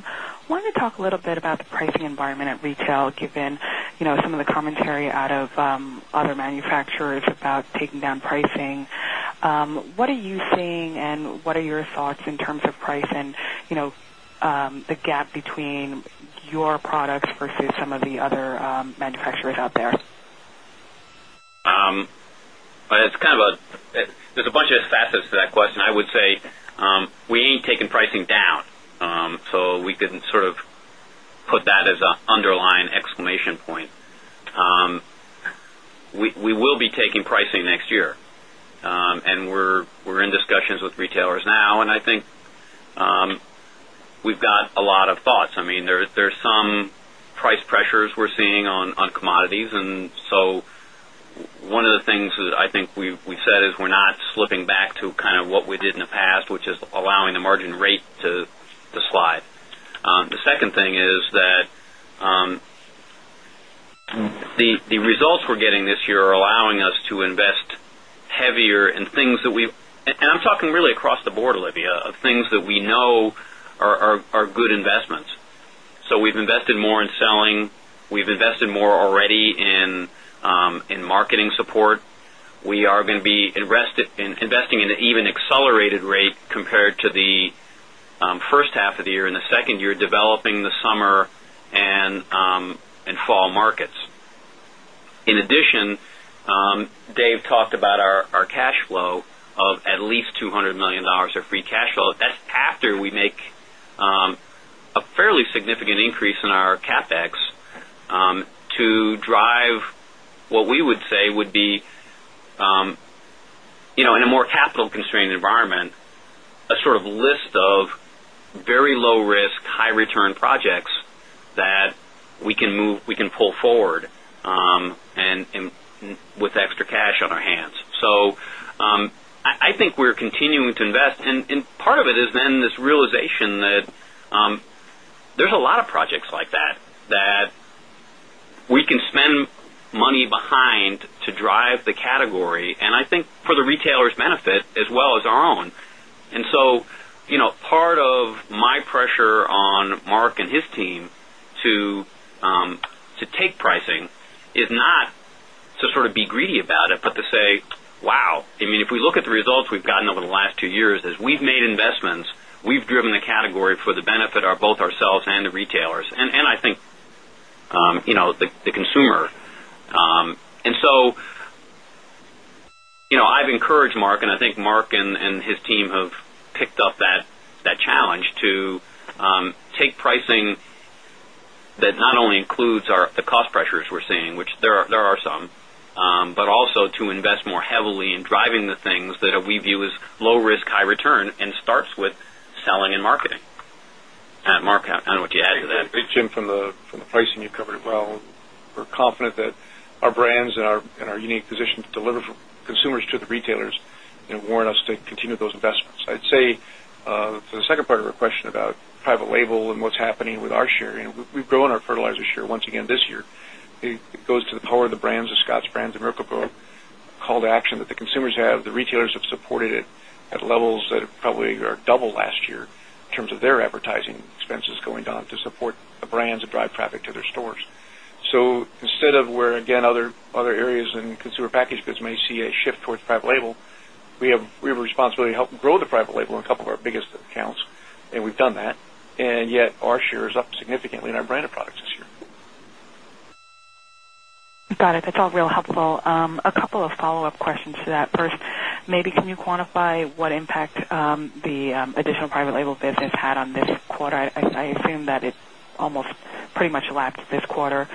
wanted to talk a little bit about the pricing environment at retail given some of commentary out of other manufacturers about taking down pricing. What are you seeing and what are your thoughts in terms of price and the gap between your products versus some of the other manufacturers out there? It's kind of a there's a bunch of facets to that question. I would say, we ain't taking pricing down. So we could pricing next year and we're in discussions with retailers now and I think we've got a lot of thoughts. I mean, there's some price pressures we're seeing on commodities. And so one of the things I think we said is we're not slipping back to kind of what we did in the past, which is allowing the margin rate to slide. The second thing is that the results we're getting this year are allowing us to invest heavier in things that we and I'm talking really across the board, Olivia, of things that we know are good investments. So we've invested more in selling, we've invested more already in marketing support, we are going to be investing in an even accelerated year developing the summer and fall markets. In addition, Dave talked about our cash flow of at least $200,000,000 of free cash flow. That's after we make a fairly significant increase in our CapEx to drive what we would say would be in a more capital constrained environment, a sort of list of very low risk, high return projects that we can pull forward and with extra cash on our hands. So I think we're continuing to invest and part of it is then this realization that there's a lot of projects like that, that we can spend money behind to drive the category and I think for the retailers benefit as well as our own. And so part of my pressure on Mark and his team to take pricing is not to sort of be greedy about it, but to say, wow, I mean, if we look at the results we've gotten over the last 2 years, as we've made investments, we've driven the category for the benefit of both ourselves and the retailers, and I think the consumer. And so I've encouraged Mark and I think Mark and his team have picked up that challenge to take pricing that not only includes the cost pressures we're seeing, which there are some, but also to invest more heavily in driving the things that we view as low risk, high return starts with selling and marketing. Mark, I don't know what you add to that. Jim, from the pricing you covered it well, we're confident that our brands and our unique position to deliver for consumers to the retailers and warn us to continue those investments. I'd say for the second part of your question about private label and what's happening with our share, we've grown our fertilizer share once again this year. It goes to the power of the brands, the Scotts Brands and Merkle Pearl call to action that the consumers have, the retailers have supported it at levels that probably are double last year in terms of their advertising expenses going on to support the brands and and drive traffic to their stores. So instead of where again other areas in consumer packaged goods may see a shift towards private label, we have a responsibility to help grow the private label in a couple of our biggest accounts and we've done that and yet our share is up significantly in our branded products this year. Got it, that's all real helpful. A couple of follow-up questions to that. First, maybe can you quantify what impact the additional private label business had on this quarter? I assume that it almost pretty much lapsed this quarter.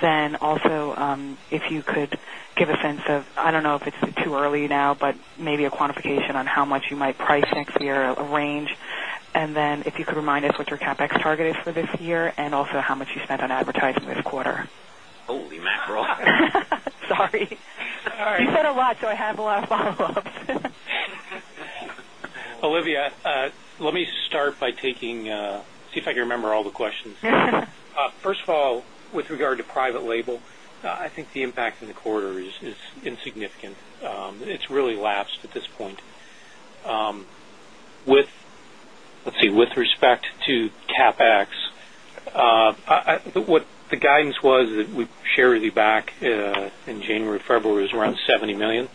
Then also if you could give a sense of I don't know if it's too early now, but maybe a quantification on how much you might price next year, a range? And then if you could remind us what your CapEx target is for this year and also how much you spent on advertising this quarter? Holy mackerel. Sorry. You said a lot, so I have a lot of follow ups. Olivia, let me start by taking see if I can remember all the questions. First of all, with regard to private label, I think the impact in the quarter is insignificant. It's really lapsed at this point. With let's see, with respect to CapEx, what the guidance was that we shared with you back in January, February is around $70,000,000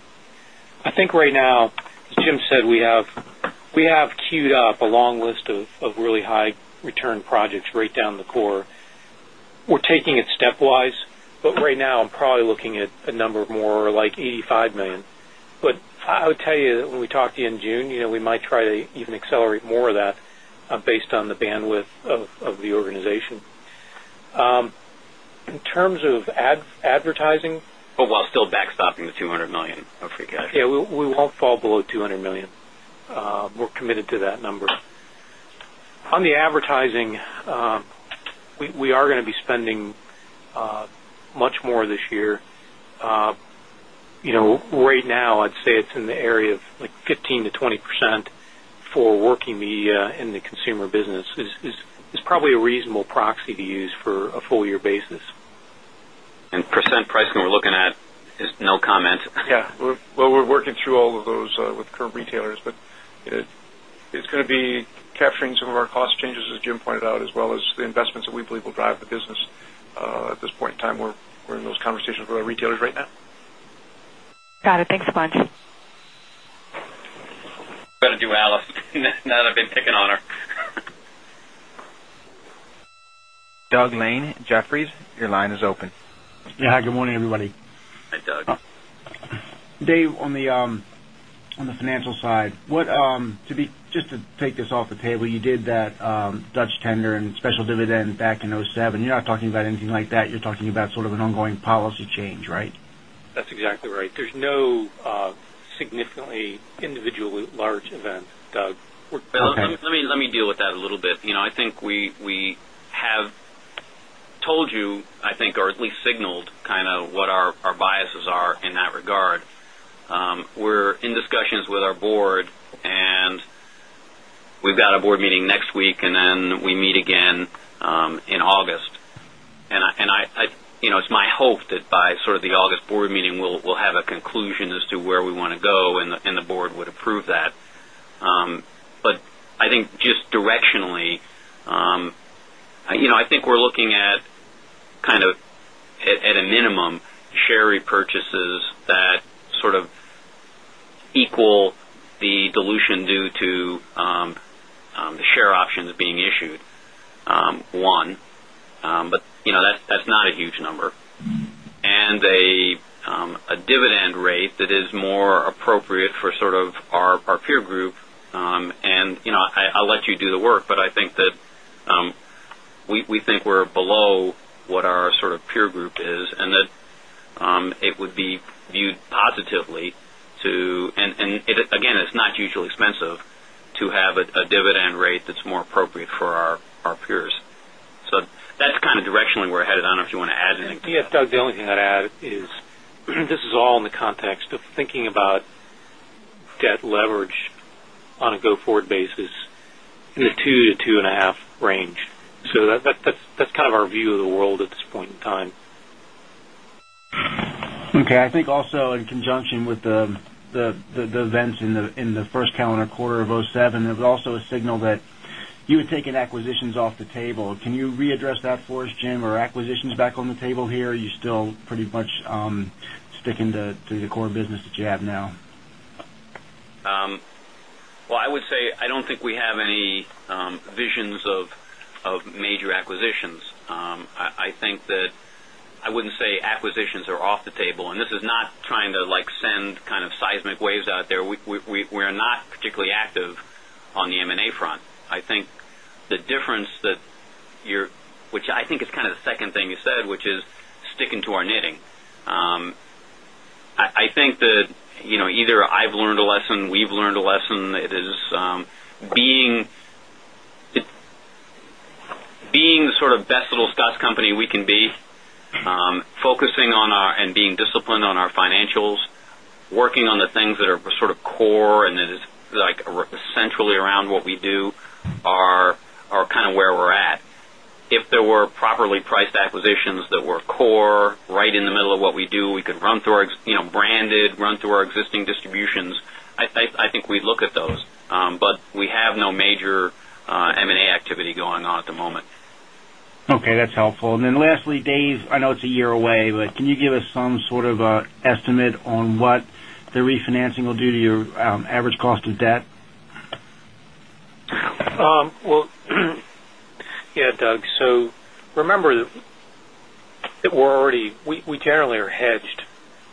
I think right now, as Jim said, we have queued up a long list of really high return projects right down the core. We're taking it stepwise, but right now I'm probably looking at a number of more like $85,000,000 But I would tell you that when we talked to you in June, we might try to accelerate more of that based on the bandwidth of the organization. In terms of advertising But while still backstopping the $200,000,000 of free cash. Yes, we won't fall below $200,000,000 We're committed to that number. On now, I'd say it's in the area of like 15% to 20% for working media in the consumer business is probably a reasonable proxy to use for a full year basis. And percent pricing we're looking at is no comment. Yes, well, we're working through all of those with curb retailers, but it's going to be capturing some of our cost changes as Jim pointed out as well as investments that we believe will drive the business. At this point in time, we're in those conversations with our retailers right now. Got it. Thanks a bunch. Doug Lane, Jefferies. Your line is open. Yes. Hi, good morning, everybody. Hi, Doug. Dave, on the financial side, what to be just to take this off the table, you did that Dutch tender and special dividend back in 2007. You're not talking about anything like that. You're talking about sort of an ongoing policy change, right? That's exactly right. There's no significantly individually large event, Doug. Let me deal with that a little bit. I think we have told you, I think, or at least signaled kind of what our biases are in that regard. We in August. And it's my hope that by sort of the August Board meeting, we'll have a conclusion as to where we want to go and the Board would approve that. But I think just directionally, I think we're looking at kind of at a minimum share repurchases that sort of equal the dilution due to the share options being issued, 1, but that's not a huge number. And a dividend rate that is more appropriate for sort of our peer group, and I'll let you do the work, but I think that we think we're below what our sort of peer group is and that it would be viewed positively to and again, it's not usually expensive to have a dividend rate that's more appropriate for our peers. So that's kind of directionally where we're headed. I don't know if you want to add anything to that? Yes, Doug, the only thing I'd add is this is all in the context of thinking about debt leverage on a go forward basis in the 2% to 2.5% range. So that's kind of our view of the world at this point in time. Okay. I think also in conjunction with the events in the 1st calendar quarter of 'seven, there was also a signal that you had taken acquisitions off the table. Can you readdress that for us, Jim, or acquisitions back on the table here? Are you still pretty much sticking to the core business that you have now? Well, I would say, I don't think we have any visions of major acquisitions. I think that I wouldn't say acquisitions are off the table and this is not trying to like send kind of seismic waves out there. We are not particularly active on the M and A front. I think the difference that you're which I think is kind of the second thing you said, which is sticking to our knitting. I think that either I've learned a lesson, we've learned a lesson, it is being sort of best little scuss company we can be, focusing on and being disciplined on our financials, working on the things that are sort of core and that is like essentially around what we do are kind of where we're at. If there were properly priced acquisitions that were core, right in the middle of what we do, we could run through our branded, run through our existing distributions, I think we'd look at those. But we have no major M and A activity going on at the moment. Okay, that's helpful. And then lastly, Dave, I know it's a year away, but can you give us some sort of estimate on what the refinancing will do to your average cost of debt? Well, yes, Doug. So remember that we're already we generally are hedged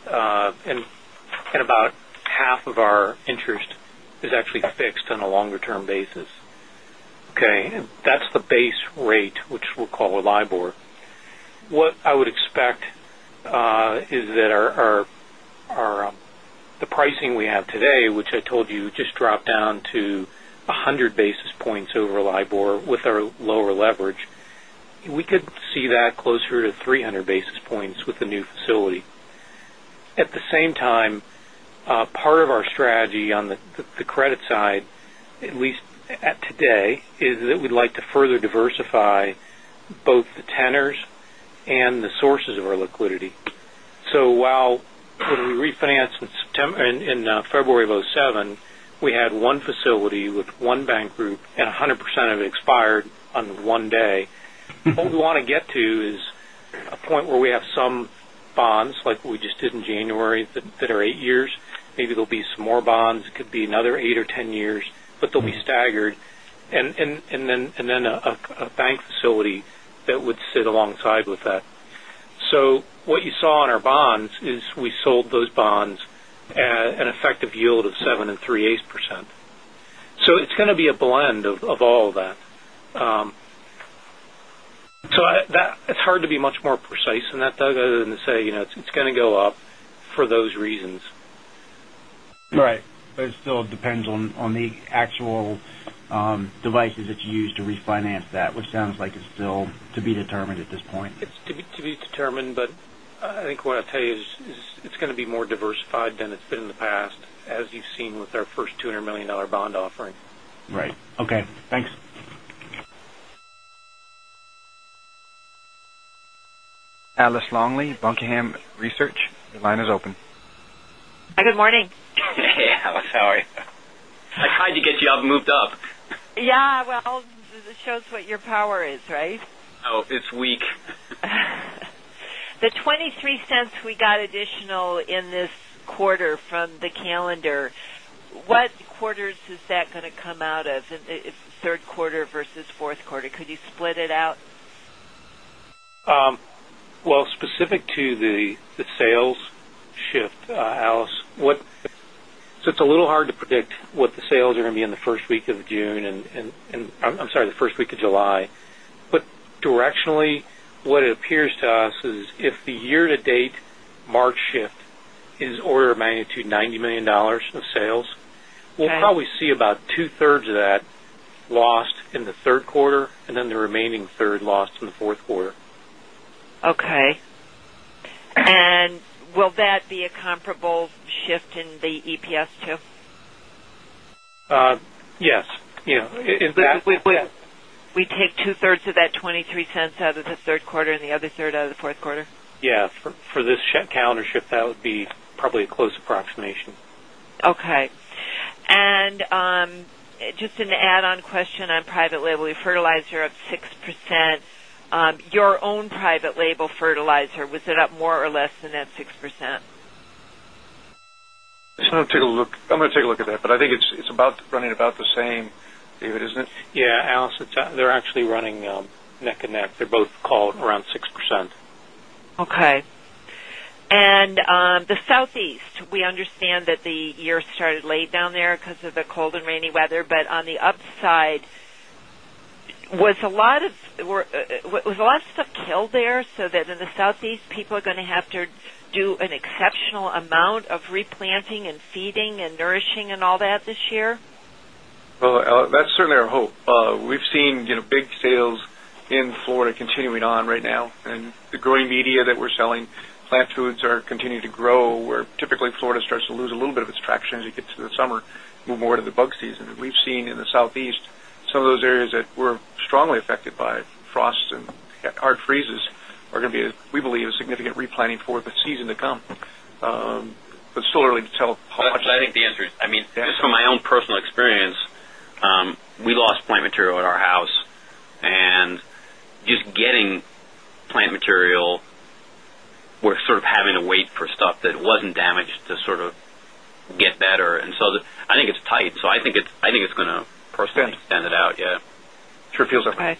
and about half of our interest is actually fixed on a longer term basis, okay. That's the base rate, which we'll call a LIBOR. What I would expect is that our the pricing we have today, which I told you just dropped down to the new facility. At the same time, part of our strategy on the credit side, at least today, is that we'd like to further diversify both the tenors and the sources of our liquidity. So while when we refinanced in February of 'seven, we had one facility with 1 bank group and 100% of it expired on one day. What we want to get to is a point where we have some bonds like we just did in January that are 8 years, maybe there will be some more bonds, it could be another 8 or 10 years, but they will be staggered and then a bank facility that would sit alongside with So, what you saw in our bonds is we sold those bonds at an effective yield of 7.75%. So, it's going to be a blend of all that. So it's hard to be much more precise than that Doug, other than to say it's going go up for those reasons. Right. But it still depends on the actual devices that you use to refinance that, which sounds like it's still to be determined at this point? It's to be determined, but I think what I'll tell you is, it's going to be more diversified than it's been in the past as you've seen with our first $200,000,000 bond offering. Right. Okay. Thanks. Alice Longley, Buckingham Research. Your line is open. Hi, good morning. Hi, Alice. Hi, to get you up and moved up. Yes. Well, it shows what your power is, right? No, it's weak. The $0.23 we got additional in this quarter from the calendar, what quarters is that going to come out of, if 3rd quarter versus 4th quarter? Could you split it out? Well, specific to the sales shift, Alice, what so it's a little hard to predict what the sales are going to be in the 1st week of June and I'm sorry, the 1st week of July. But directionally, what it appears to us is if the year to date March shift is order of magnitude $90,000,000 of sales. We'll probably see about 2 thirds of that lost in the 3rd quarter and then the remaining third lost in the 4th quarter. Okay. And will that be a comparable shift in the EPS too? Yes. We take 2 thirds of that $0.23 out of the 3rd quarter and the other third out of the 4th quarter? Yes. For this check calendar shift that would be probably a close approximation. Okay. And just an add question on private label, fertilizer up 6%. Your own private label fertilizer, was it up more or less than that 6%? I'm going to take a look at that, but I think it's about running about the same, David, isn't it? Yes, was a lot of stuff killed there, so that in the Southeast people are going to have to do an exceptional amount of replanting and feeding and nourishing and all that this year? Well, that's certainly our hope. We've seen big sales in Florida continuing on right now and the growing media that we're selling, plant foods are continuing to grow where typically Florida starts to lose a little bit of its traction as you get to summer, move more to the bug season. And we've seen in the Southeast, some of those areas that were strongly affected by frost and hard freezes are going to be, we believe, a significant replanting for the season to come. But still early to tell how much But I think the answer is, I mean, just from my own personal experience, we lost plant material at our house and just getting plant material, we're sort of having to wait for stuff that wasn't damaged to sort of get better. And so I think it's tight. So I think it's going to proceed and extend it out. Okay.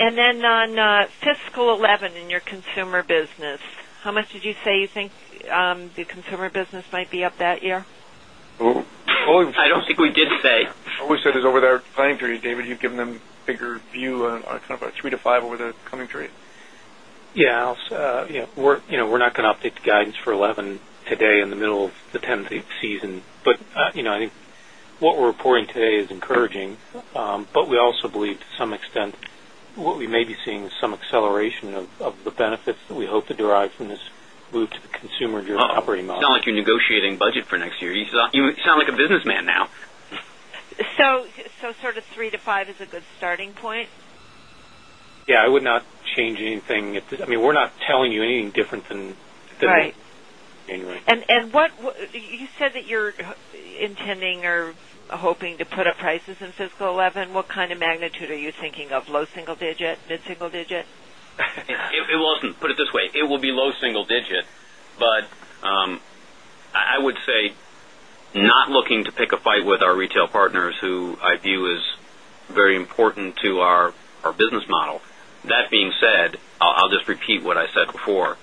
And then on fiscal 2011 in your consumer business, how much did you say you think the consumer business might be up that year? I don't think we did say. Always said it's over there, David, you've given them bigger view on kind of a 3% to 5% over the coming period. We're not going to update guidance for 11 today in the middle of the 'ten season, but I think what we're reporting today is encouraging, but we also believe to some extent what we may be seeing is some acceleration of the benefits that we hope to derive this move to the consumer during operating model. It sounds like you're negotiating budget for next year. You sound like a businessman now. So sort of 3% to 5% is a good starting point? Yes, I would not change anything. I mean, we're not telling you anything different than it doesn't change anything. Right. And what you said that you're intending or hoping to put up prices in fiscal 'eleven. What kind of magnitude are you thinking of low single digit, mid single digit? It wasn't put it this way, it will be low single digit. But I would say not looking to pick a fight with our retail partners who I view is very important to our business model. That being said, I'll just repeat what I said before.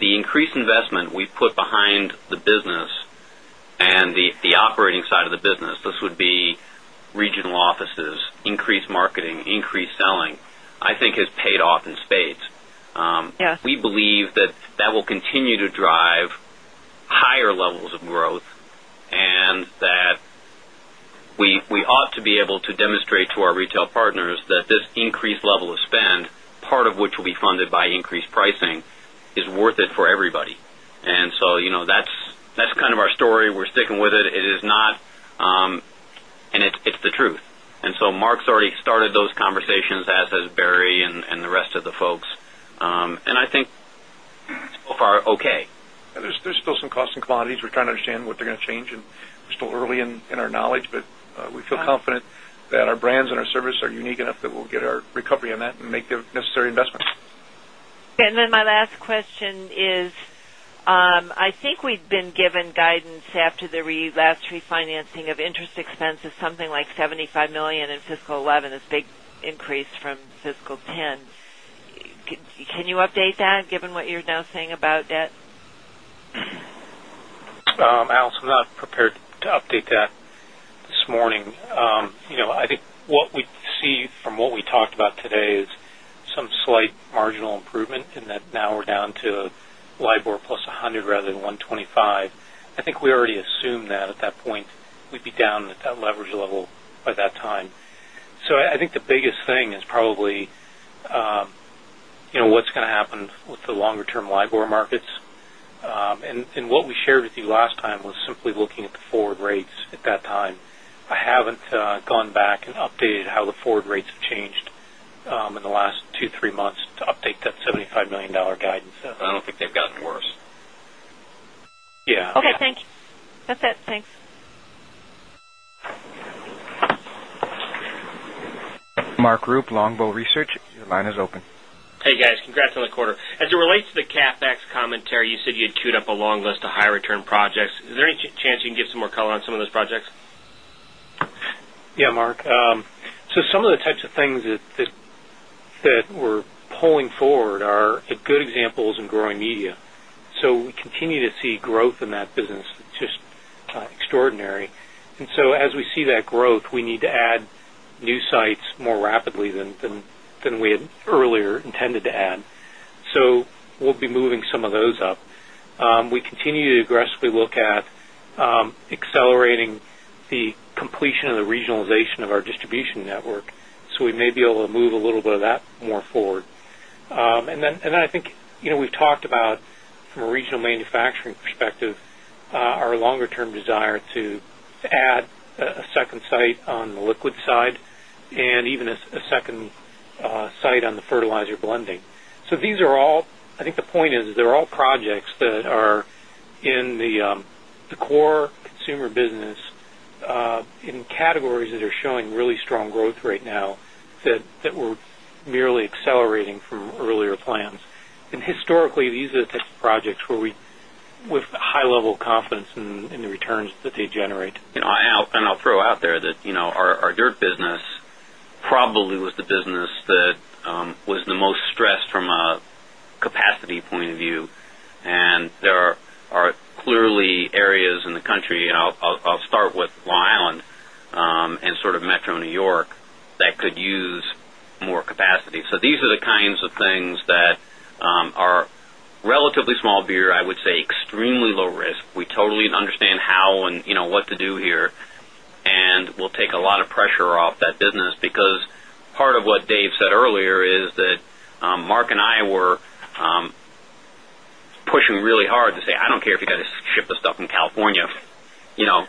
The increased investment we put behind the business and the operating side of the business, this would be regional offices, increased marketing, increased selling, I think has paid off in spades. We believe that that will continue to drive higher levels of growth and partners that this increased level of spend, part of which will be funded by increased pricing, is worth it for everybody. And so that's kind of our story. We're sticking with it. It is not and it's the truth. And so Mark's already started those conversations as has Barry and the rest of the folks. And I think so far okay. There's still some cost and commodities. We're trying to understand what they're going to change and we're still early in our knowledge, but we feel confident that our brands and our service are unique enough that we'll get our recovery on that and make the necessary investments. And then my last question is, I think we've been given guidance after the last refinancing of interest expense of something like $75,000,000 in fiscal Alex, I'm not prepared to update that this morning. I think what we see from what we talked about today is some slight marginal improvement in that now we're down to LIBOR plus 100 rather than 125. I think we already assumed that at that point we'd be down at that leverage level by that time. So, I think the biggest thing is probably what's going to happen with the longer term LIBOR markets. And what we shared with you last time was simply looking at the forward rates at that time. I haven't gone back and updated how the forward rates have changed in the last 2, 3 months to update that $75,000,000 guidance. I don't think they've gotten worse. Yes. Okay. Thanks. That's it. Thanks. Mark Group, Longbow Research. Your line is open. Hey, guys. Congrats on the quarter. As it relates to the CapEx commentary, you said you'd queued up a long list of high return projects. Is there any chance you can give some more color on some of those projects? Yes, Mark. So some of the types of things that we're pulling forward are good examples in growing media. So we continue to see growth in that business, just extraordinary. And so as we see that growth, we need to add new sites more rapidly than we had earlier intended to add. So, we'll be moving some of those up. We continue to aggressively look at accelerating regionalization of our distribution network, so we may be able to move a little bit of that more forward. And then I think we've talked about from a regional manufacturing perspective, our longer term desire to add a second site on the liquid side and even a second site on the fertilizer blending. So these are all I think the point is they're all projects that are in the core consumer business in categories that are showing really strong growth right now that were merely accelerating from earlier plans. And historically, these are the the projects where we with high level confidence in the returns that they generate. And I'll throw out there that our dirt business probably was the business that was the most stressed from a capacity point of view. And there are clearly areas in the country, and I'll start with Long Island, and sort of Metro New York that could use more capacity. So these are the kinds of things that are relatively small beer, I would say extremely low risk. We totally understand how and what to do here and we'll take a lot of pressure off that business because part of what Dave said earlier is that Mark and I were pushing really hard to say, I don't care if you guys ship the stuff in California. You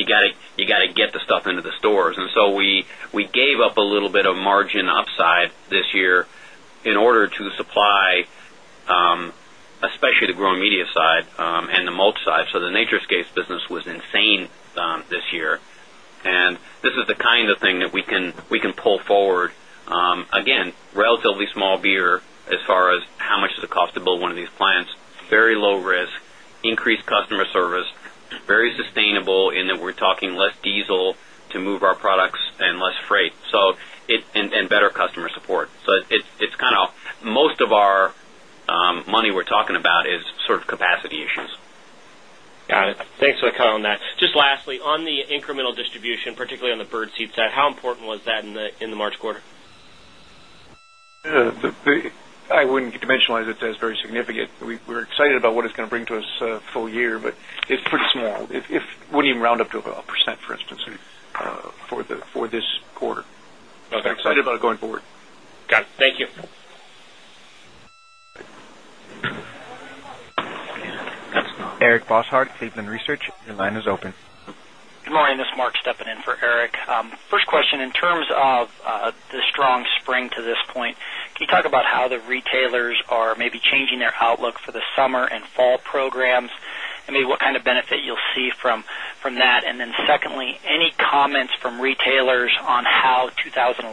got to get the stuff into the stores. And so we gave up a little bit of margin upside this year in order to supply, especially the growing media side and the mulch side. So the NatureScapes business was insane this year. And this is the kind of thing that we can pull forward, again, relatively small beer as far as how much does it cost to one of these plants, very low risk, increased customer service, very sustainable in that we're talking less diesel to move our products and less freight and better customer support. So it's kind of most of our money we're talking about is sort of capacity issues. Got it. Thanks for the color on that. Just lastly, on the incremental distribution, particularly on the birdseed set, how important was that in the March quarter? I wouldn't dimensionalize it as very significant. We're excited about what it's going to bring to us full year, but it's pretty small. If wouldn't even round up to about 1% for instance for this quarter. We're excited about it going forward. Got it. Thank you. Eric Bosshard, Cleveland Research. Your line is open. Good morning. This is Mark stepping in for Eric. First question, in terms of the strong spring to this point, can you talk about how the retailers are maybe changing their outlook for the summer and fall programs? I mean, what kind of benefit you'll see from that? And then secondly, any comments from retailers on how 2011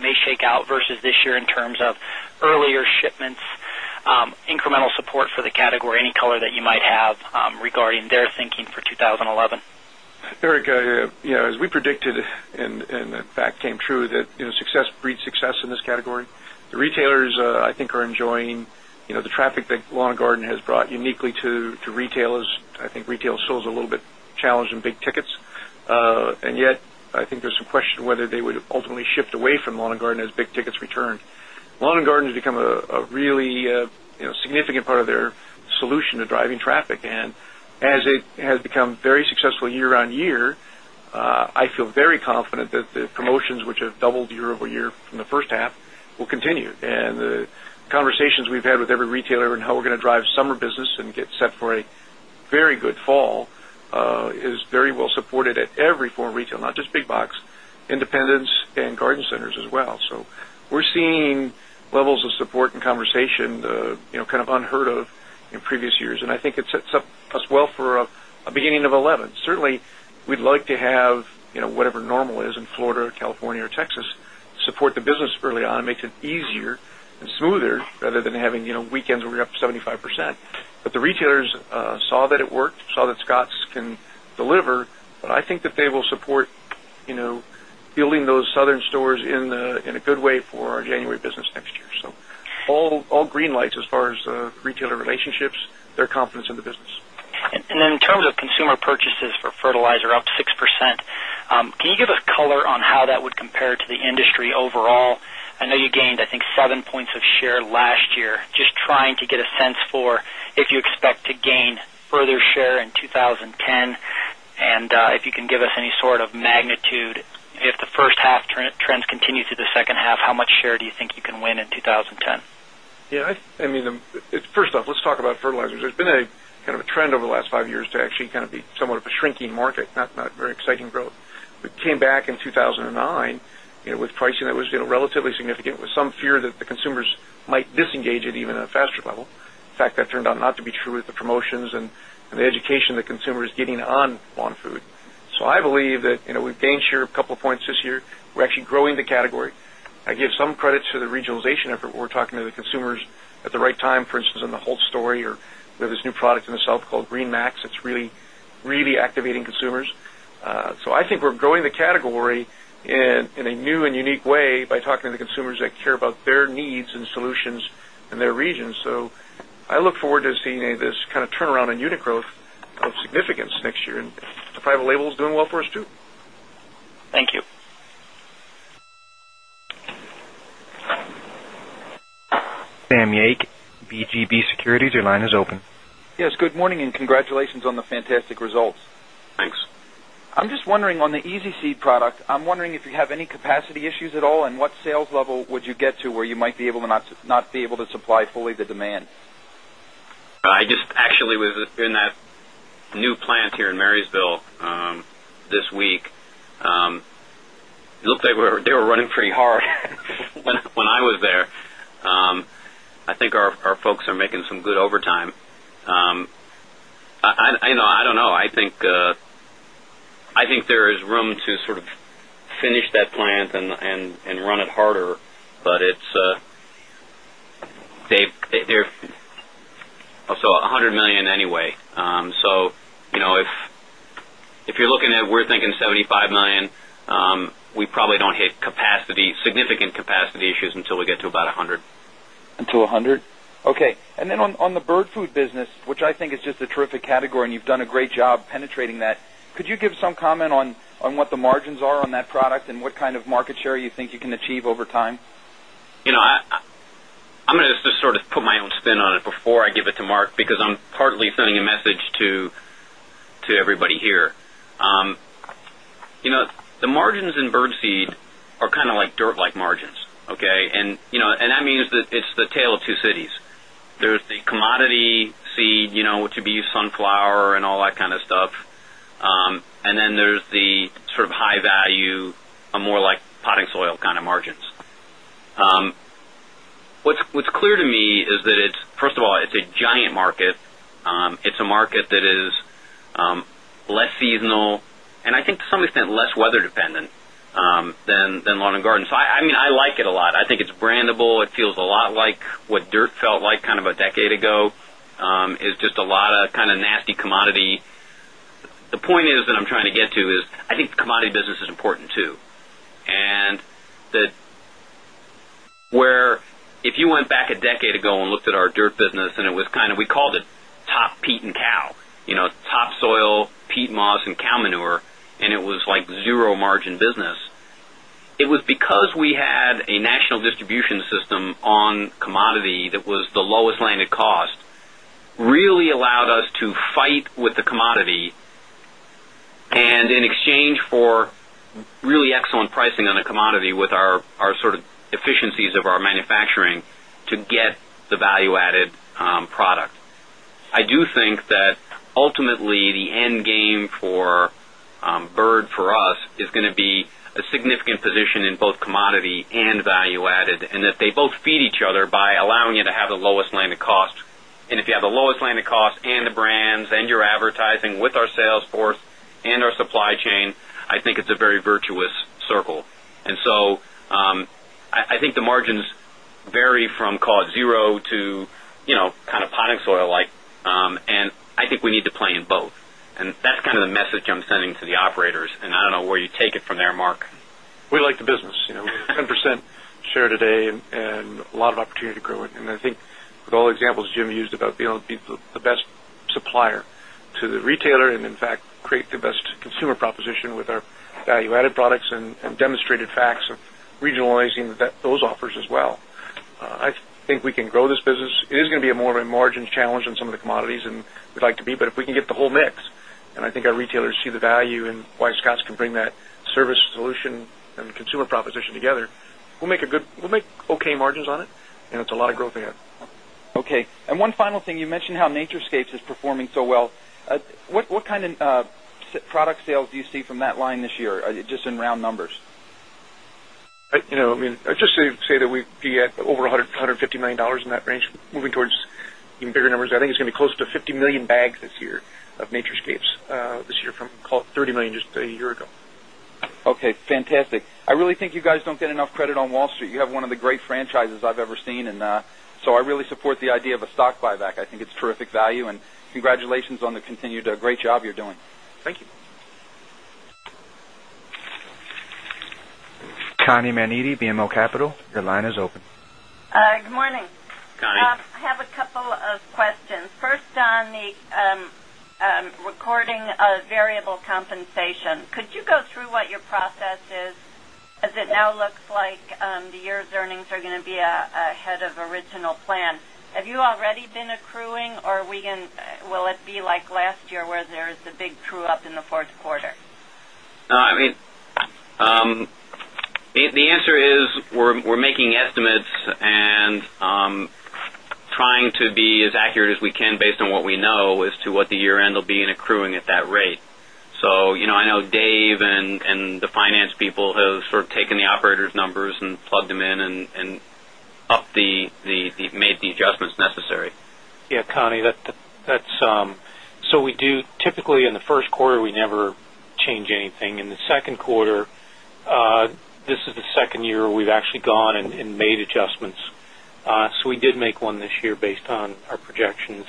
may shake out versus this year in terms of earlier shipments, incremental support for the category, any color that you might have regarding their thinking for 2011? Eric, as we predicted and in fact came true that breeds success in this category. The retailers I think are enjoying the traffic that lawn and garden has brought uniquely to retailers. I think retail stores a little bit challenge in big tickets. And yet, I think there's some question whether they would ultimately shift away from lawn and garden as big tickets returned. Lawn and garden has become a really significant part of their solution to driving traffic. And as it has become very successful year on year, I feel very confident that the promotions which have doubled year over year from the first half will continue and the conversations we've had with every retailer and how we're going to drive summer business and get set for a very good fall is very well supported at every form of retail, not just big box, independents and garden centers as well. So we're seeing levels of support and conversation kind of unheard of in previous years. And I think it sets us well for a beginning of 2011. Certainly, we'd like to have whatever normal is in Florida or California or Texas support the business early on, it makes it easier and smoother rather than having weekends where we're up 75%. But the retailers saw that it worked, saw that Scotts can deliver, but I think that they will support building those Southern stores in a good way for our January business next year. So all green lights as far as retailer relationships, their confidence in the business. And then in terms of consumer purchases for fertilizer up 6%. Can you give us color on how that would compare to the industry overall? I know you gained, I think, 7 points of share last year. Just trying to get a sense for if you expect to gain further share in 2010? And if you can give us any sort of magnitude if the first half trends continue to the second half, how much share do you think you can win in 2010? Yes, I mean, first off, let's talk about fertilizers. There's been a kind of over the last 5 years to actually kind of be somewhat of a shrinking market, not very exciting growth. We came back in 2,009 with pricing that was relatively significant with some fear that the consumers might disengage it even at a faster level. In fact, that turned out not to be true with the promotions and the education the consumer is getting on lawn food. So I believe that we've gained share a couple of points this year, we're actually growing the category. I give some credits to the regionalization effort, we're talking to consumers at the right time, for instance, in the whole story or there's new product in the South called GreenMAX, it's really, really activating consumers. So I think we're significance next year. And the private label is doing well, around in unit growth of significance next year and the private label is doing well for us too. Thank you. Sam Yake, BGB Securities. Your line is open. Yes, good morning I'm just wondering on the EZ Seed product, I'm wondering if you have any capacity issues at all and what sales level would you get to where you might not be able to supply fully the demand? I just actually was in that new plant here in Marysville this week, it looks like they were running pretty hard when I was there. I think our folks are making some good overtime. I don't know, I think there is room to sort of finish that plant and run it harder, but it's also $100,000,000 anyway. So if you're looking at we're thinking $75,000,000 we probably don't hit significant capacity issues until we get to about $100,000,000 Until $100,000,000 Okay. And then on the bird food business, which I think is just a terrific category and you've done a great job penetrating that. Could you give some comment on what the margins are on that product and what kind of market share you think you can achieve over time? I'm going to just sort of put my own spin on it before I give it to Mark, because I'm partly sending a message to everybody here. Is cities. There's the commodity seed, which would be sunflower and all that kind of stuff. And then there's the sort of high value, more like potting soil kind of margins. What's clear to me is that it's first of all, it's a giant market. It's a market that is less seasonal, and I think to some extent less weather dependent than lawn and garden. So I mean I like it a lot. I think it's brandable, it feels a lot like what dirt felt like kind of a decade ago, is just a lot of kind of nasty commodity. The point is that I'm trying to get to is, I think the commodity business is important too. And where if you went back a decade ago and looked at our dirt business and it was kind of we called it top peat and cow, topsoil peat moss and cow manure and it was like 0 margin business. It was because we had a national distribution system on commodity that was the lowest landed cost really allowed us to fight with the commodity and in exchange for really excellent pricing on a commodity with our sort of efficiencies of our manufacturing to get the value added product. I do in both commodity and value added and that they both feed each other by allowing you to have the lowest land of cost. And if you have the lowest land of cost and the brands and your advertising with our sales force and our supply chain, I think it's a very virtuous circle. And so I think the margins vary from call it 0 to kind of potting soil like and I think we need percent share today and a lot of opportunity to grow. And I think with all the examples Jim used about being the best supplier to the retailer and in fact, create the the retailer and in fact create the best consumer proposition with our value added products and demonstrated facts of regionalizing those offers as well. I think we can grow this business. It is going to be a more of a margin challenge in some of the commodities and we'd like to be, but if we can get the whole mix and I think our retailers see the value and why Scotts can bring that service solution and consumer proposition together, we'll make a good we'll make okay margins on it and it's a lot of growth ahead. Okay. And one final thing, you mentioned how NatureScapes is performing so well. What kind of product sales do you see from that line this year? Are you just in round numbers? I mean, just to say that we'd be at over $150,000,000 in that range moving towards even bigger numbers, I think it's going to be close to 50,000,000 bags this year of NatureScapes this year from call it 30,000,000 just a year ago. Okay, fantastic. I really think you guys don't get enough credit on Wall Street. You have one of the great franchises I've ever seen and so I really support the idea of a stock buyback. I think it's terrific value and congratulations on the continued great job you're doing. Thank you. Connie Maniti, BMO Capital. Your line is open. Good morning. Hi, Connie. I have a couple of questions. First on the recording of variable compensation. Could you go through what your process is as it now looks like the year earnings are going to be ahead of original plan. Have you already been accruing or we can will it be like last year where there is a big crew up in the Q4? I mean, the answer is we're making estimates and trying to be as accurate as we can based on what we know as to what the year end will be in accruing at that rate. So I know Dave and the finance people have sort of taken the operators numbers and plugged them in and up the made the adjustments necessary. Yes, Connie, that's so we do typically in the Q1, we never change anything. In the Q2, this is the 2nd year we've actually gone and made adjustments. So we did make one this year based on our projections.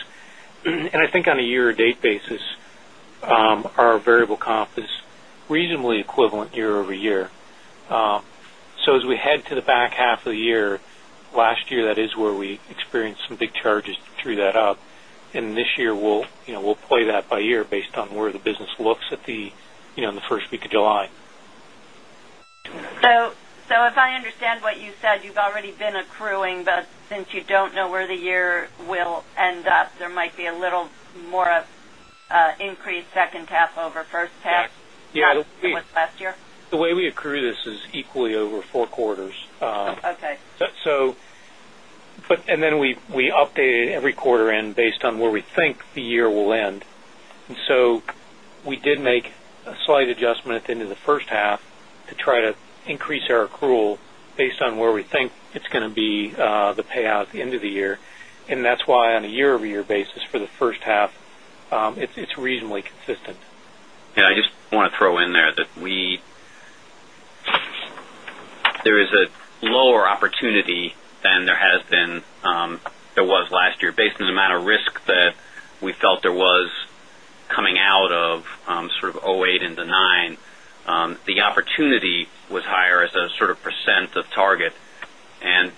And I think on a year to date basis, our variable comp is reasonably equivalent year over year. So as we head to the back half of the year, last year that is where we experienced some big charges to true that up. And this year we'll play that by year based on where the business looks at the 1st week of July. So, if I understand what you said, you've already been accruing, but since you don't know where the year will end up, there might be a little more of increase second half over first half? Yes. The way we accrue this is equally over 4 quarters. Okay. So but and then we updated every quarter end based on where we think the year will end. And so, we did make a slight adjustment into the first half to try to increase our accrual based on where we think it's going to be the payout at the end of the year. And that's why on a year over year basis for the first half, it's reasonably consistent. Yes, I just want to throw in there that we there is a lower opportunity than there has been there was last year based on the amount of risk that we felt there was coming out of sort of 'eight into 'nine. The opportunity was higher as a sort of percent of target. And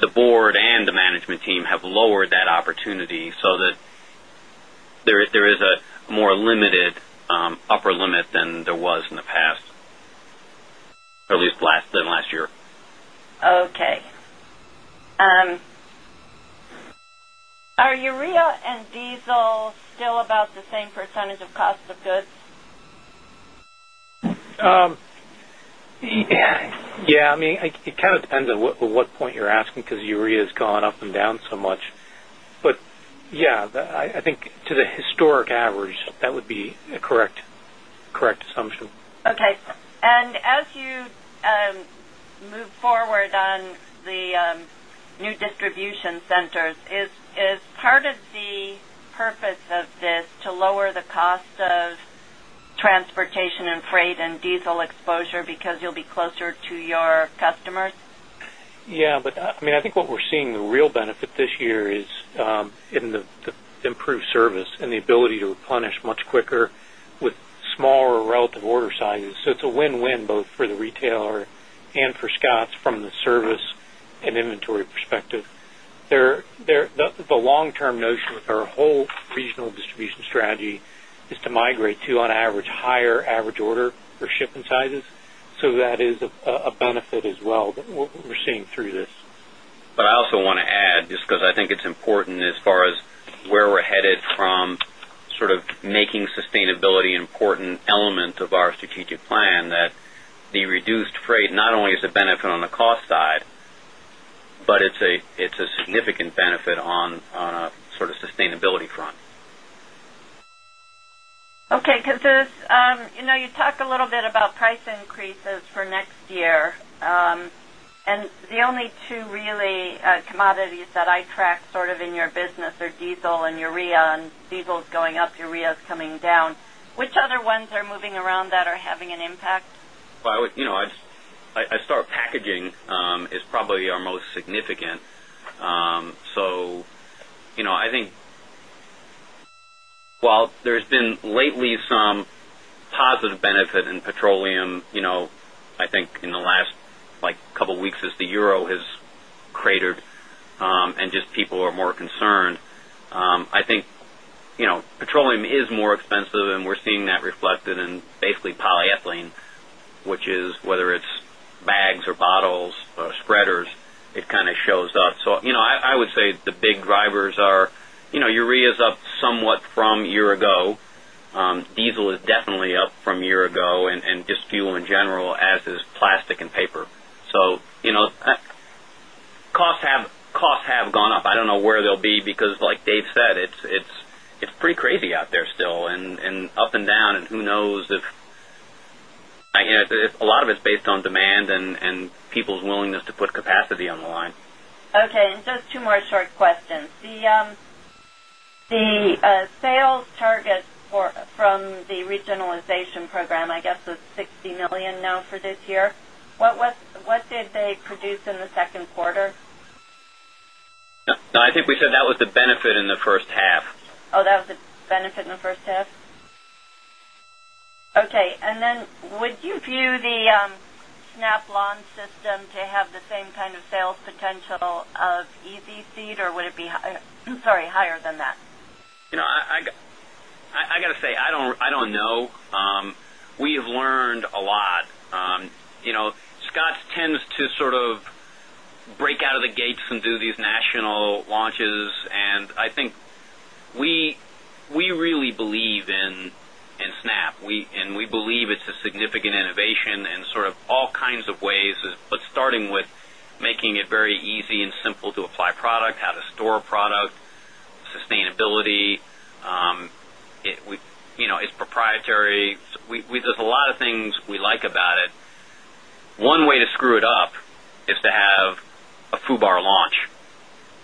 the Board and the management team have lowered that opportunity so that there is a more limited upper limit than there was in the past, at least last than last year. Okay. Are urea and diesel still about the same percentage of cost of goods? Yes, I mean it kind of depends on what point you're asking because urea has gone up and down so much. But yes, I think to the historic average that would be a correct assumption. Okay. And as you move forward on the new distribution centers, is part of the purpose of this to lower the cost of transportation and freight and diesel exposure in in the improved service and the ability to replenish much quicker with smaller relative order sizes. So it's a win win both for the retailer and for Scotts from the service and inventory perspective. The long term notion with our whole regional distribution strategy is to migrate to on average higher average order for shipment sizes. So that is a benefit as well that we're seeing through this. But I also want to add just because I think it's important as far as where we're headed from sort of making sustainability important element of our strategic plan that the reduced freight not only is a benefit on the cost side, but it's a significant benefit on a sort of sustainability front. Okay. Because this you know, you talked a little bit about price increases for next year. And the only 2 really commodities that I track sort of in your business are diesel and urea and diesel is going up, urea is coming down. Which other ones are moving around that are having an impact? I start packaging is probably our most significant. So I think while there has been lately some positive benefit in petroleum, I think in the last like couple of weeks as the euro has cratered and just people are more concerned. I think petroleum is more expensive and we're seeing that reflected in basically polyethylene, which is whether it's bags or bottles or spreaders, it kind of shows up. So I would say the big drivers are urea is up diesel is definitely up from a year ago and just fuel in general as is plastic and paper. Costs have gone up. I don't know where they'll be because like Dave said, it's pretty crazy out there still and up and down and who knows if a lot of it's based on demand and people's willingness to put capacity on the line. Okay. And just two more short questions. The sales target from the regionalization program, I guess, is now for this year. What did they produce in the 2nd quarter? No, I think we said that was the benefit in the first half. That was a benefit in the first half? Okay. And then would you view the Snap Lon system to have the same kind of sales potential of Easy Seed or would it be sorry, higher than that? I got to say, I don't know. We have learned a lot. Scott's tends to sort of break out of the gates and do these national launches. And I think we really believe in Snap and we believe it's a significant innovation in sort of all kinds of ways, but starting with making it very easy and simple to apply product, how to store product, sustainability, it's proprietary.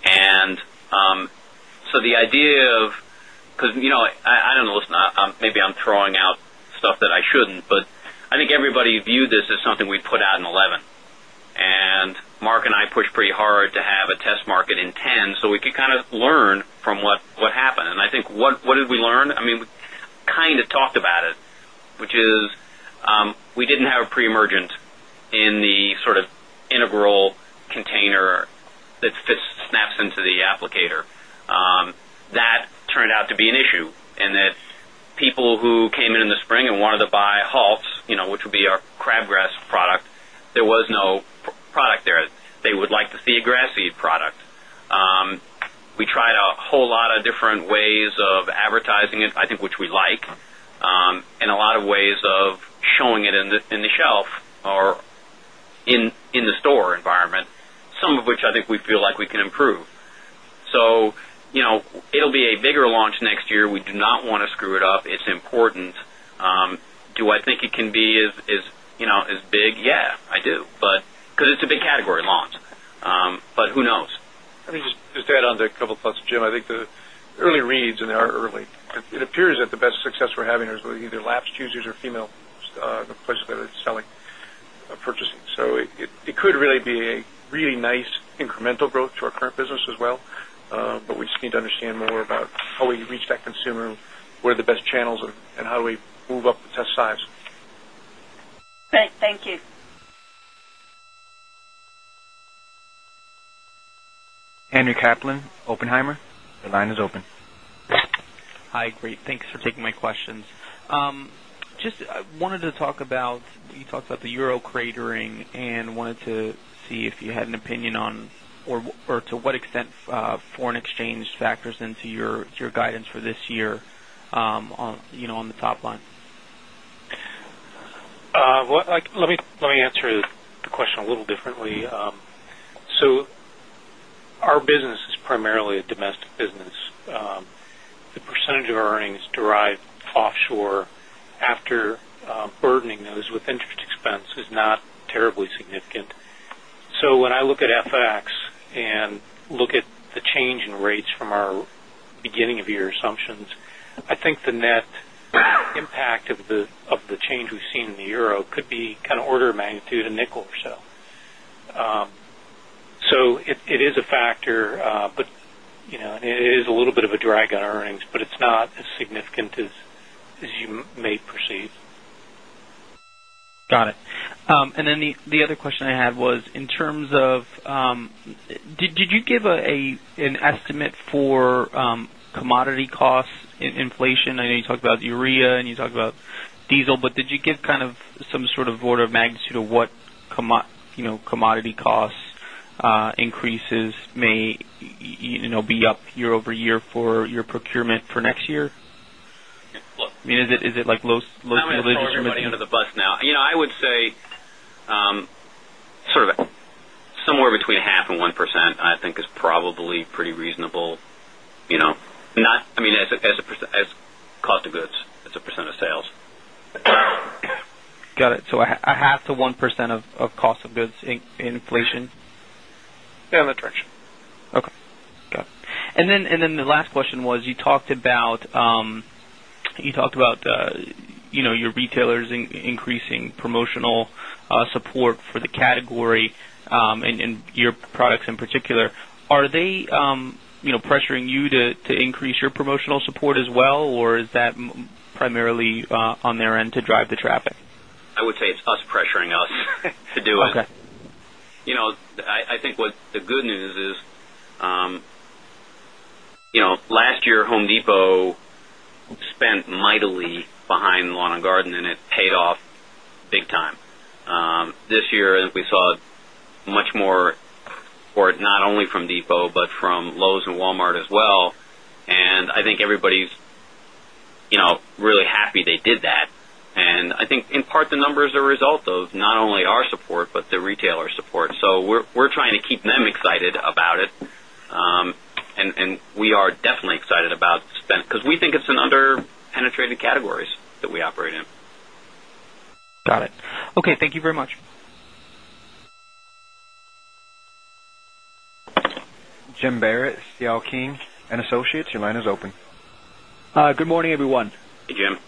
And so the idea of because I don't know, it's not maybe I'm throwing out stuff that I shouldn't, but I think everybody viewed this as something we put out in 2011. And Mark and I pushed pretty hard to have a test market in 2010, so we could kind of learn from what happened. And I think what did we learn? I mean, we kind of talked about it, which is we didn't have a pre emergent in the sort of integral container that fits snaps into the applicator. Would like to see a grass seed product. We tried to would like to see a grass seed product. We tried a whole lot of different ways of advertising it, I think, which we like, and a lot of ways of showing it in the shelf or in the store environment, some of which I think we feel like we can improve. So it will be a bigger launch next year. We do not want to screw it up. It's important. Do I think it can be as big? Yes, I do, but because it's a big category at launch, but who knows? Let me just on to a couple of thoughts, Jim. I think the early reads and they are early, it appears that the best success we're having is either lapsed users or female, the place where they're selling purchasing. So it could really be a really nice incremental growth to our current business as well, but we just need to understand more about how we reach that consumer, where the best channels and how do we move up the test size. Great. Thank you. Andrew Kaplin, Oppenheimer. Your line is open. Hi, great. Thanks for taking my questions. Just wanted to talk about you talked about the euro cratering and wanted to see if you had an opinion on or to what extent foreign exchange factors into your guidance for this year on the top line? Let me answer the question a little differently. So, our business is primarily a a expense is not terribly significant. So, when I look at FX and look at the change in rates from our beginning of year assumptions, I think the net impact of the change we've seen in the euro could be kind of order of magnitude a nickel or so. So it is a factor, but it is a little bit of a drag on earnings, but it's not as significant as you may proceed. Got it. And then the other question I had was in terms of did you give an estimate for commodity costs inflation? I know you talked about urea and you talked about diesel, but did you give kind of some sort of order of magnitude of what next year? I mean is it like low mileage or is it like? I would say somewhere between 0.5% and 1%, I think is probably pretty reasonable, not I mean as cost of goods, as a percent of sales. Got it. So a 0.5% to 1% of cost of goods inflation? Yeah, on the tranche. Okay, got it. And then the last question was you talked about your retailers increasing promotional support for the category and your products in particular, are they pressuring you to increase your promotional support as well or is that primarily on their end to drive the traffic? I would say it's us pressuring us to do it. I think what the good news is last year Home Depot spent mightily behind lawn and garden and it paid off big time. This year, I think we saw much more or not only from Depot, but from Lowe's and Walmart as well. And I think everybody's really happy they did that. And I think in part the number is a result of not only our support, but the retailer support. So we're trying to keep them excited about it. And we are definitely excited about spend, because we think it's an under penetrated categories that we operate in. Got it. Okay. Thank you very much. Jim Barrett, CL King and Associates. Your line is open. Good morning, everyone. Hey, Jim.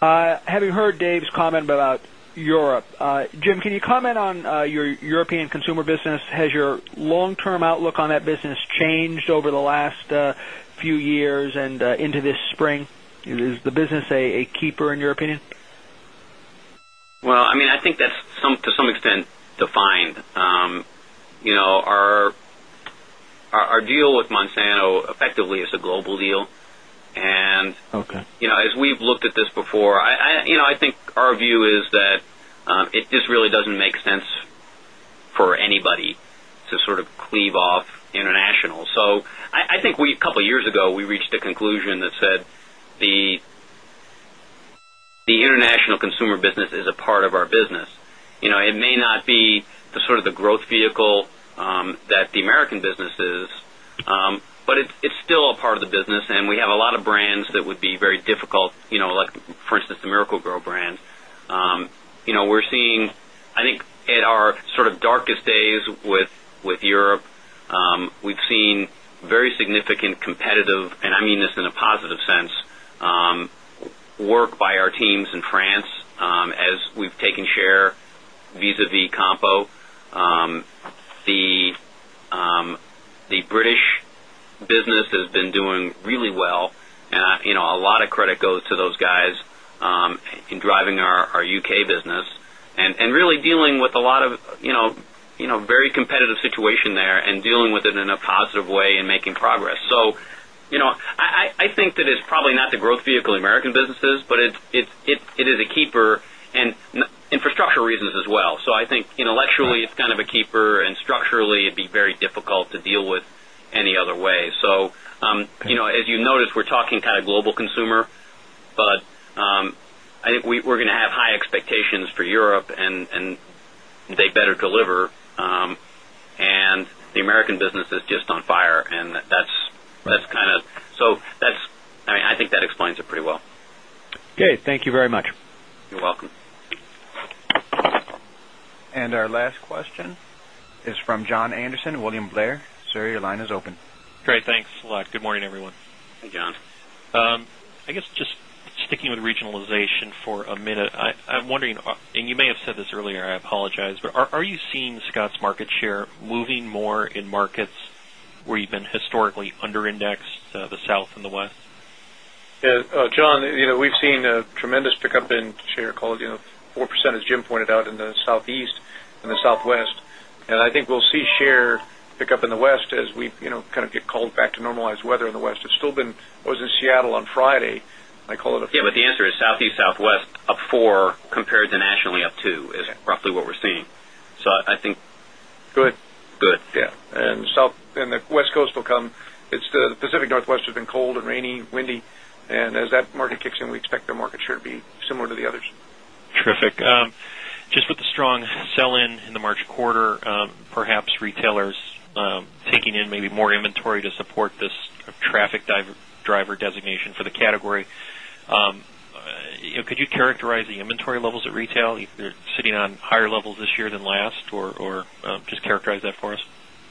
Having heard Dave's comment about Europe, Jim, can you comment on your European consumer business? Has your long term outlook on that business changed over the last few years and into this spring? Is the business a keeper in your opinion? Well, I mean, I think that's some to some extent defined. Our deal with Monsanto effectively is a global deal. And as we've looked at this before, I think our view is that it just really doesn't make sense for anybody to sort of cleave off international. So I think we a couple of years ago, we reached a conclusion that said the international consumer business is a part of our business. It may not be the sort of the growth vehicle that the American business is, but it's still a part of the business and we have a lot of brands that would be very difficult, like for instance, the Miracle Gro brand. We're seeing I think at our sort of darkest days with Europe, we've seen very significant competitive and I mean this in a positive sense, work by our teams in France as we've taken share visavis compo. The British business has been doing really well and a lot of credit goes to those guys in driving our U. K. Business and really dealing with a lot of very competitive situation there and dealing with it in a positive way and making progress. So I think that it's probably not the growth vehicle in American businesses, but it is a keeper and infrastructure reasons as well. So I think intellectually it's kind of a keeper and structurally it'd be very difficult to deal with any other way. So, as you noticed, we're talking kind of global consumer, but I think we're going to have high expectations for Europe and they better deliver. And the American business is just on fire and that's kind of so that's I mean, I think that explains it pretty well. Okay. Thank you very much. You're welcome. And our last question is from John Anderson, William Blair. Sir, your line is open. Great. Thanks a lot. Good morning, everyone. I guess just sticking with regionalization for a minute, I'm wondering and you may have said this earlier, I apologize, but are you seeing Scott's market share moving more in markets where you've been historically under indexed, the South and the West? John, we've seen a tremendous pickup in share quality of 4% as Jim pointed out in the Southeast and the Southwest. And I think we'll see share pickup in the West as we kind of get called back to normalized weather in the West. It's still been was in Seattle on Friday, I call it a Yes, but the answer is Southeast, Southwest up 4 compared to nationally up 2 is roughly what we're seeing. So I think Good. Yes. And South and the West Coast will come. It's the Pacific Northwest has been cold and rainy, windy and as that market kicks in, we expect the market share to be similar to the others. Terrific. Just with strong sell in in the March quarter, perhaps retailers taking in maybe more inventory to support this traffic driver designation for the category. Could you characterize the inventory levels at retail sitting on levels this year than last or just characterize that for us?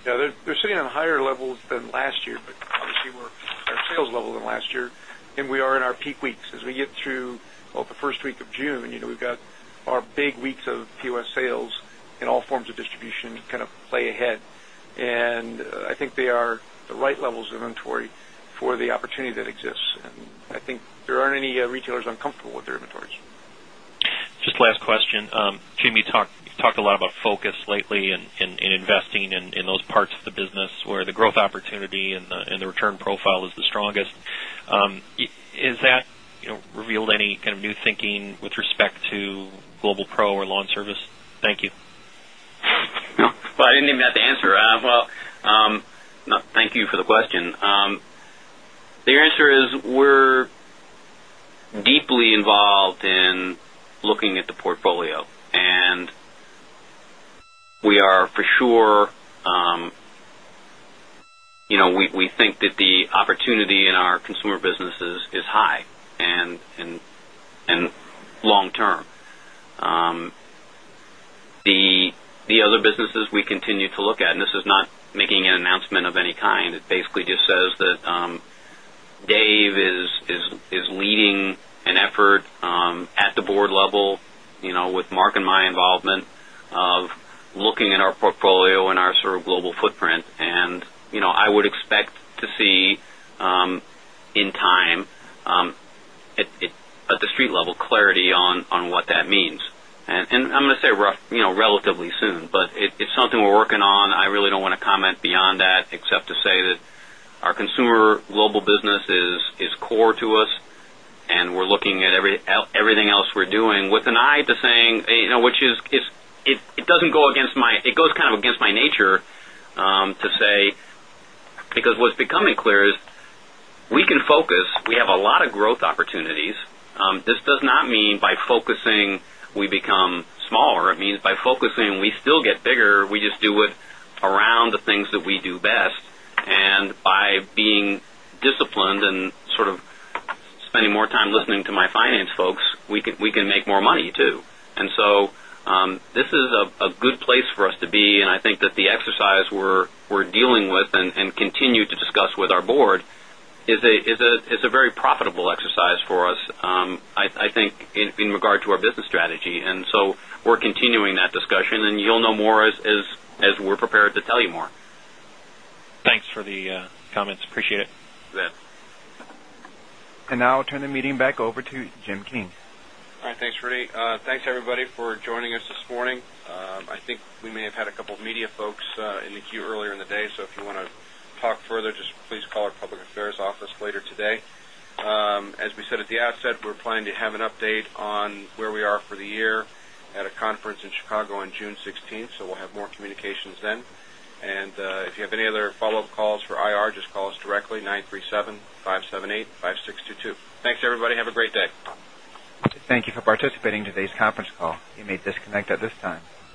Yes, they're sitting on higher levels than last year, but obviously we're at sales level than last year and we are in our peak weeks. As we get through the 1st week of June, we've got our big weeks of POS sales in all forms of distribution kind of play ahead. And I think they are the right levels of inventory for the opportunity that exists. And I think there aren't any retailers uncomfortable with their inventories. Just last question, Jim you talked a lot about focus lately in investing in those parts of the business where the growth opportunity and the return profile is the strongest. Is that revealed any kind of new thinking with The answer is we're deeply involved in looking at the portfolio And we are for sure, we think that the opportunity in our consumer businesses is high and long term. The other businesses we continue to look at and this is not making an announcement of any kind. It basically just says that Dave is leading an effort at the Board level with footprint. And I would expect to see in time, at the street level, clarity on what that means. And I'm going to say relatively soon, but it's something we're working on. I really don't want to comment beyond that except to say that our consumer global business is core to us and we're looking at everything else we're doing with an eye to saying, which is it doesn't go against my it goes kind of against my nature to say, because what's becoming clear is we can focus, we have a lot of growth opportunities. This does not mean by focusing we become smaller, it means by focusing we still get bigger. We just do it around the things that we do best. And by being disciplined and sort of spending more time listening to my finance folks, we can make more money too. And so this is a good place for us to be and I think that the exercise we're dealing with and continue to discuss with our Board is a very profitable exercise for us, I think in regard to our business strategy. And so we're continuing that discussion and you'll know more as we're prepared to tell you more. And now I'll turn the meeting back over to Jim King. All right. Thanks, Rudy. Thanks everybody for joining us this morning. I think we may have had a couple of media folks in the queue earlier in the day. So if you want to talk further, just please call our Public Affairs office later today. As we said at the outset, we're planning to have an update on where we are for the year at a conference in Chicago on June 16. So we'll have more communications then. And if you have any other follow-up calls for IR, just call us directly 937-578-5622. Thanks everybody. Have a great day. Thank you for participating in today's conference call. You may disconnect at this time.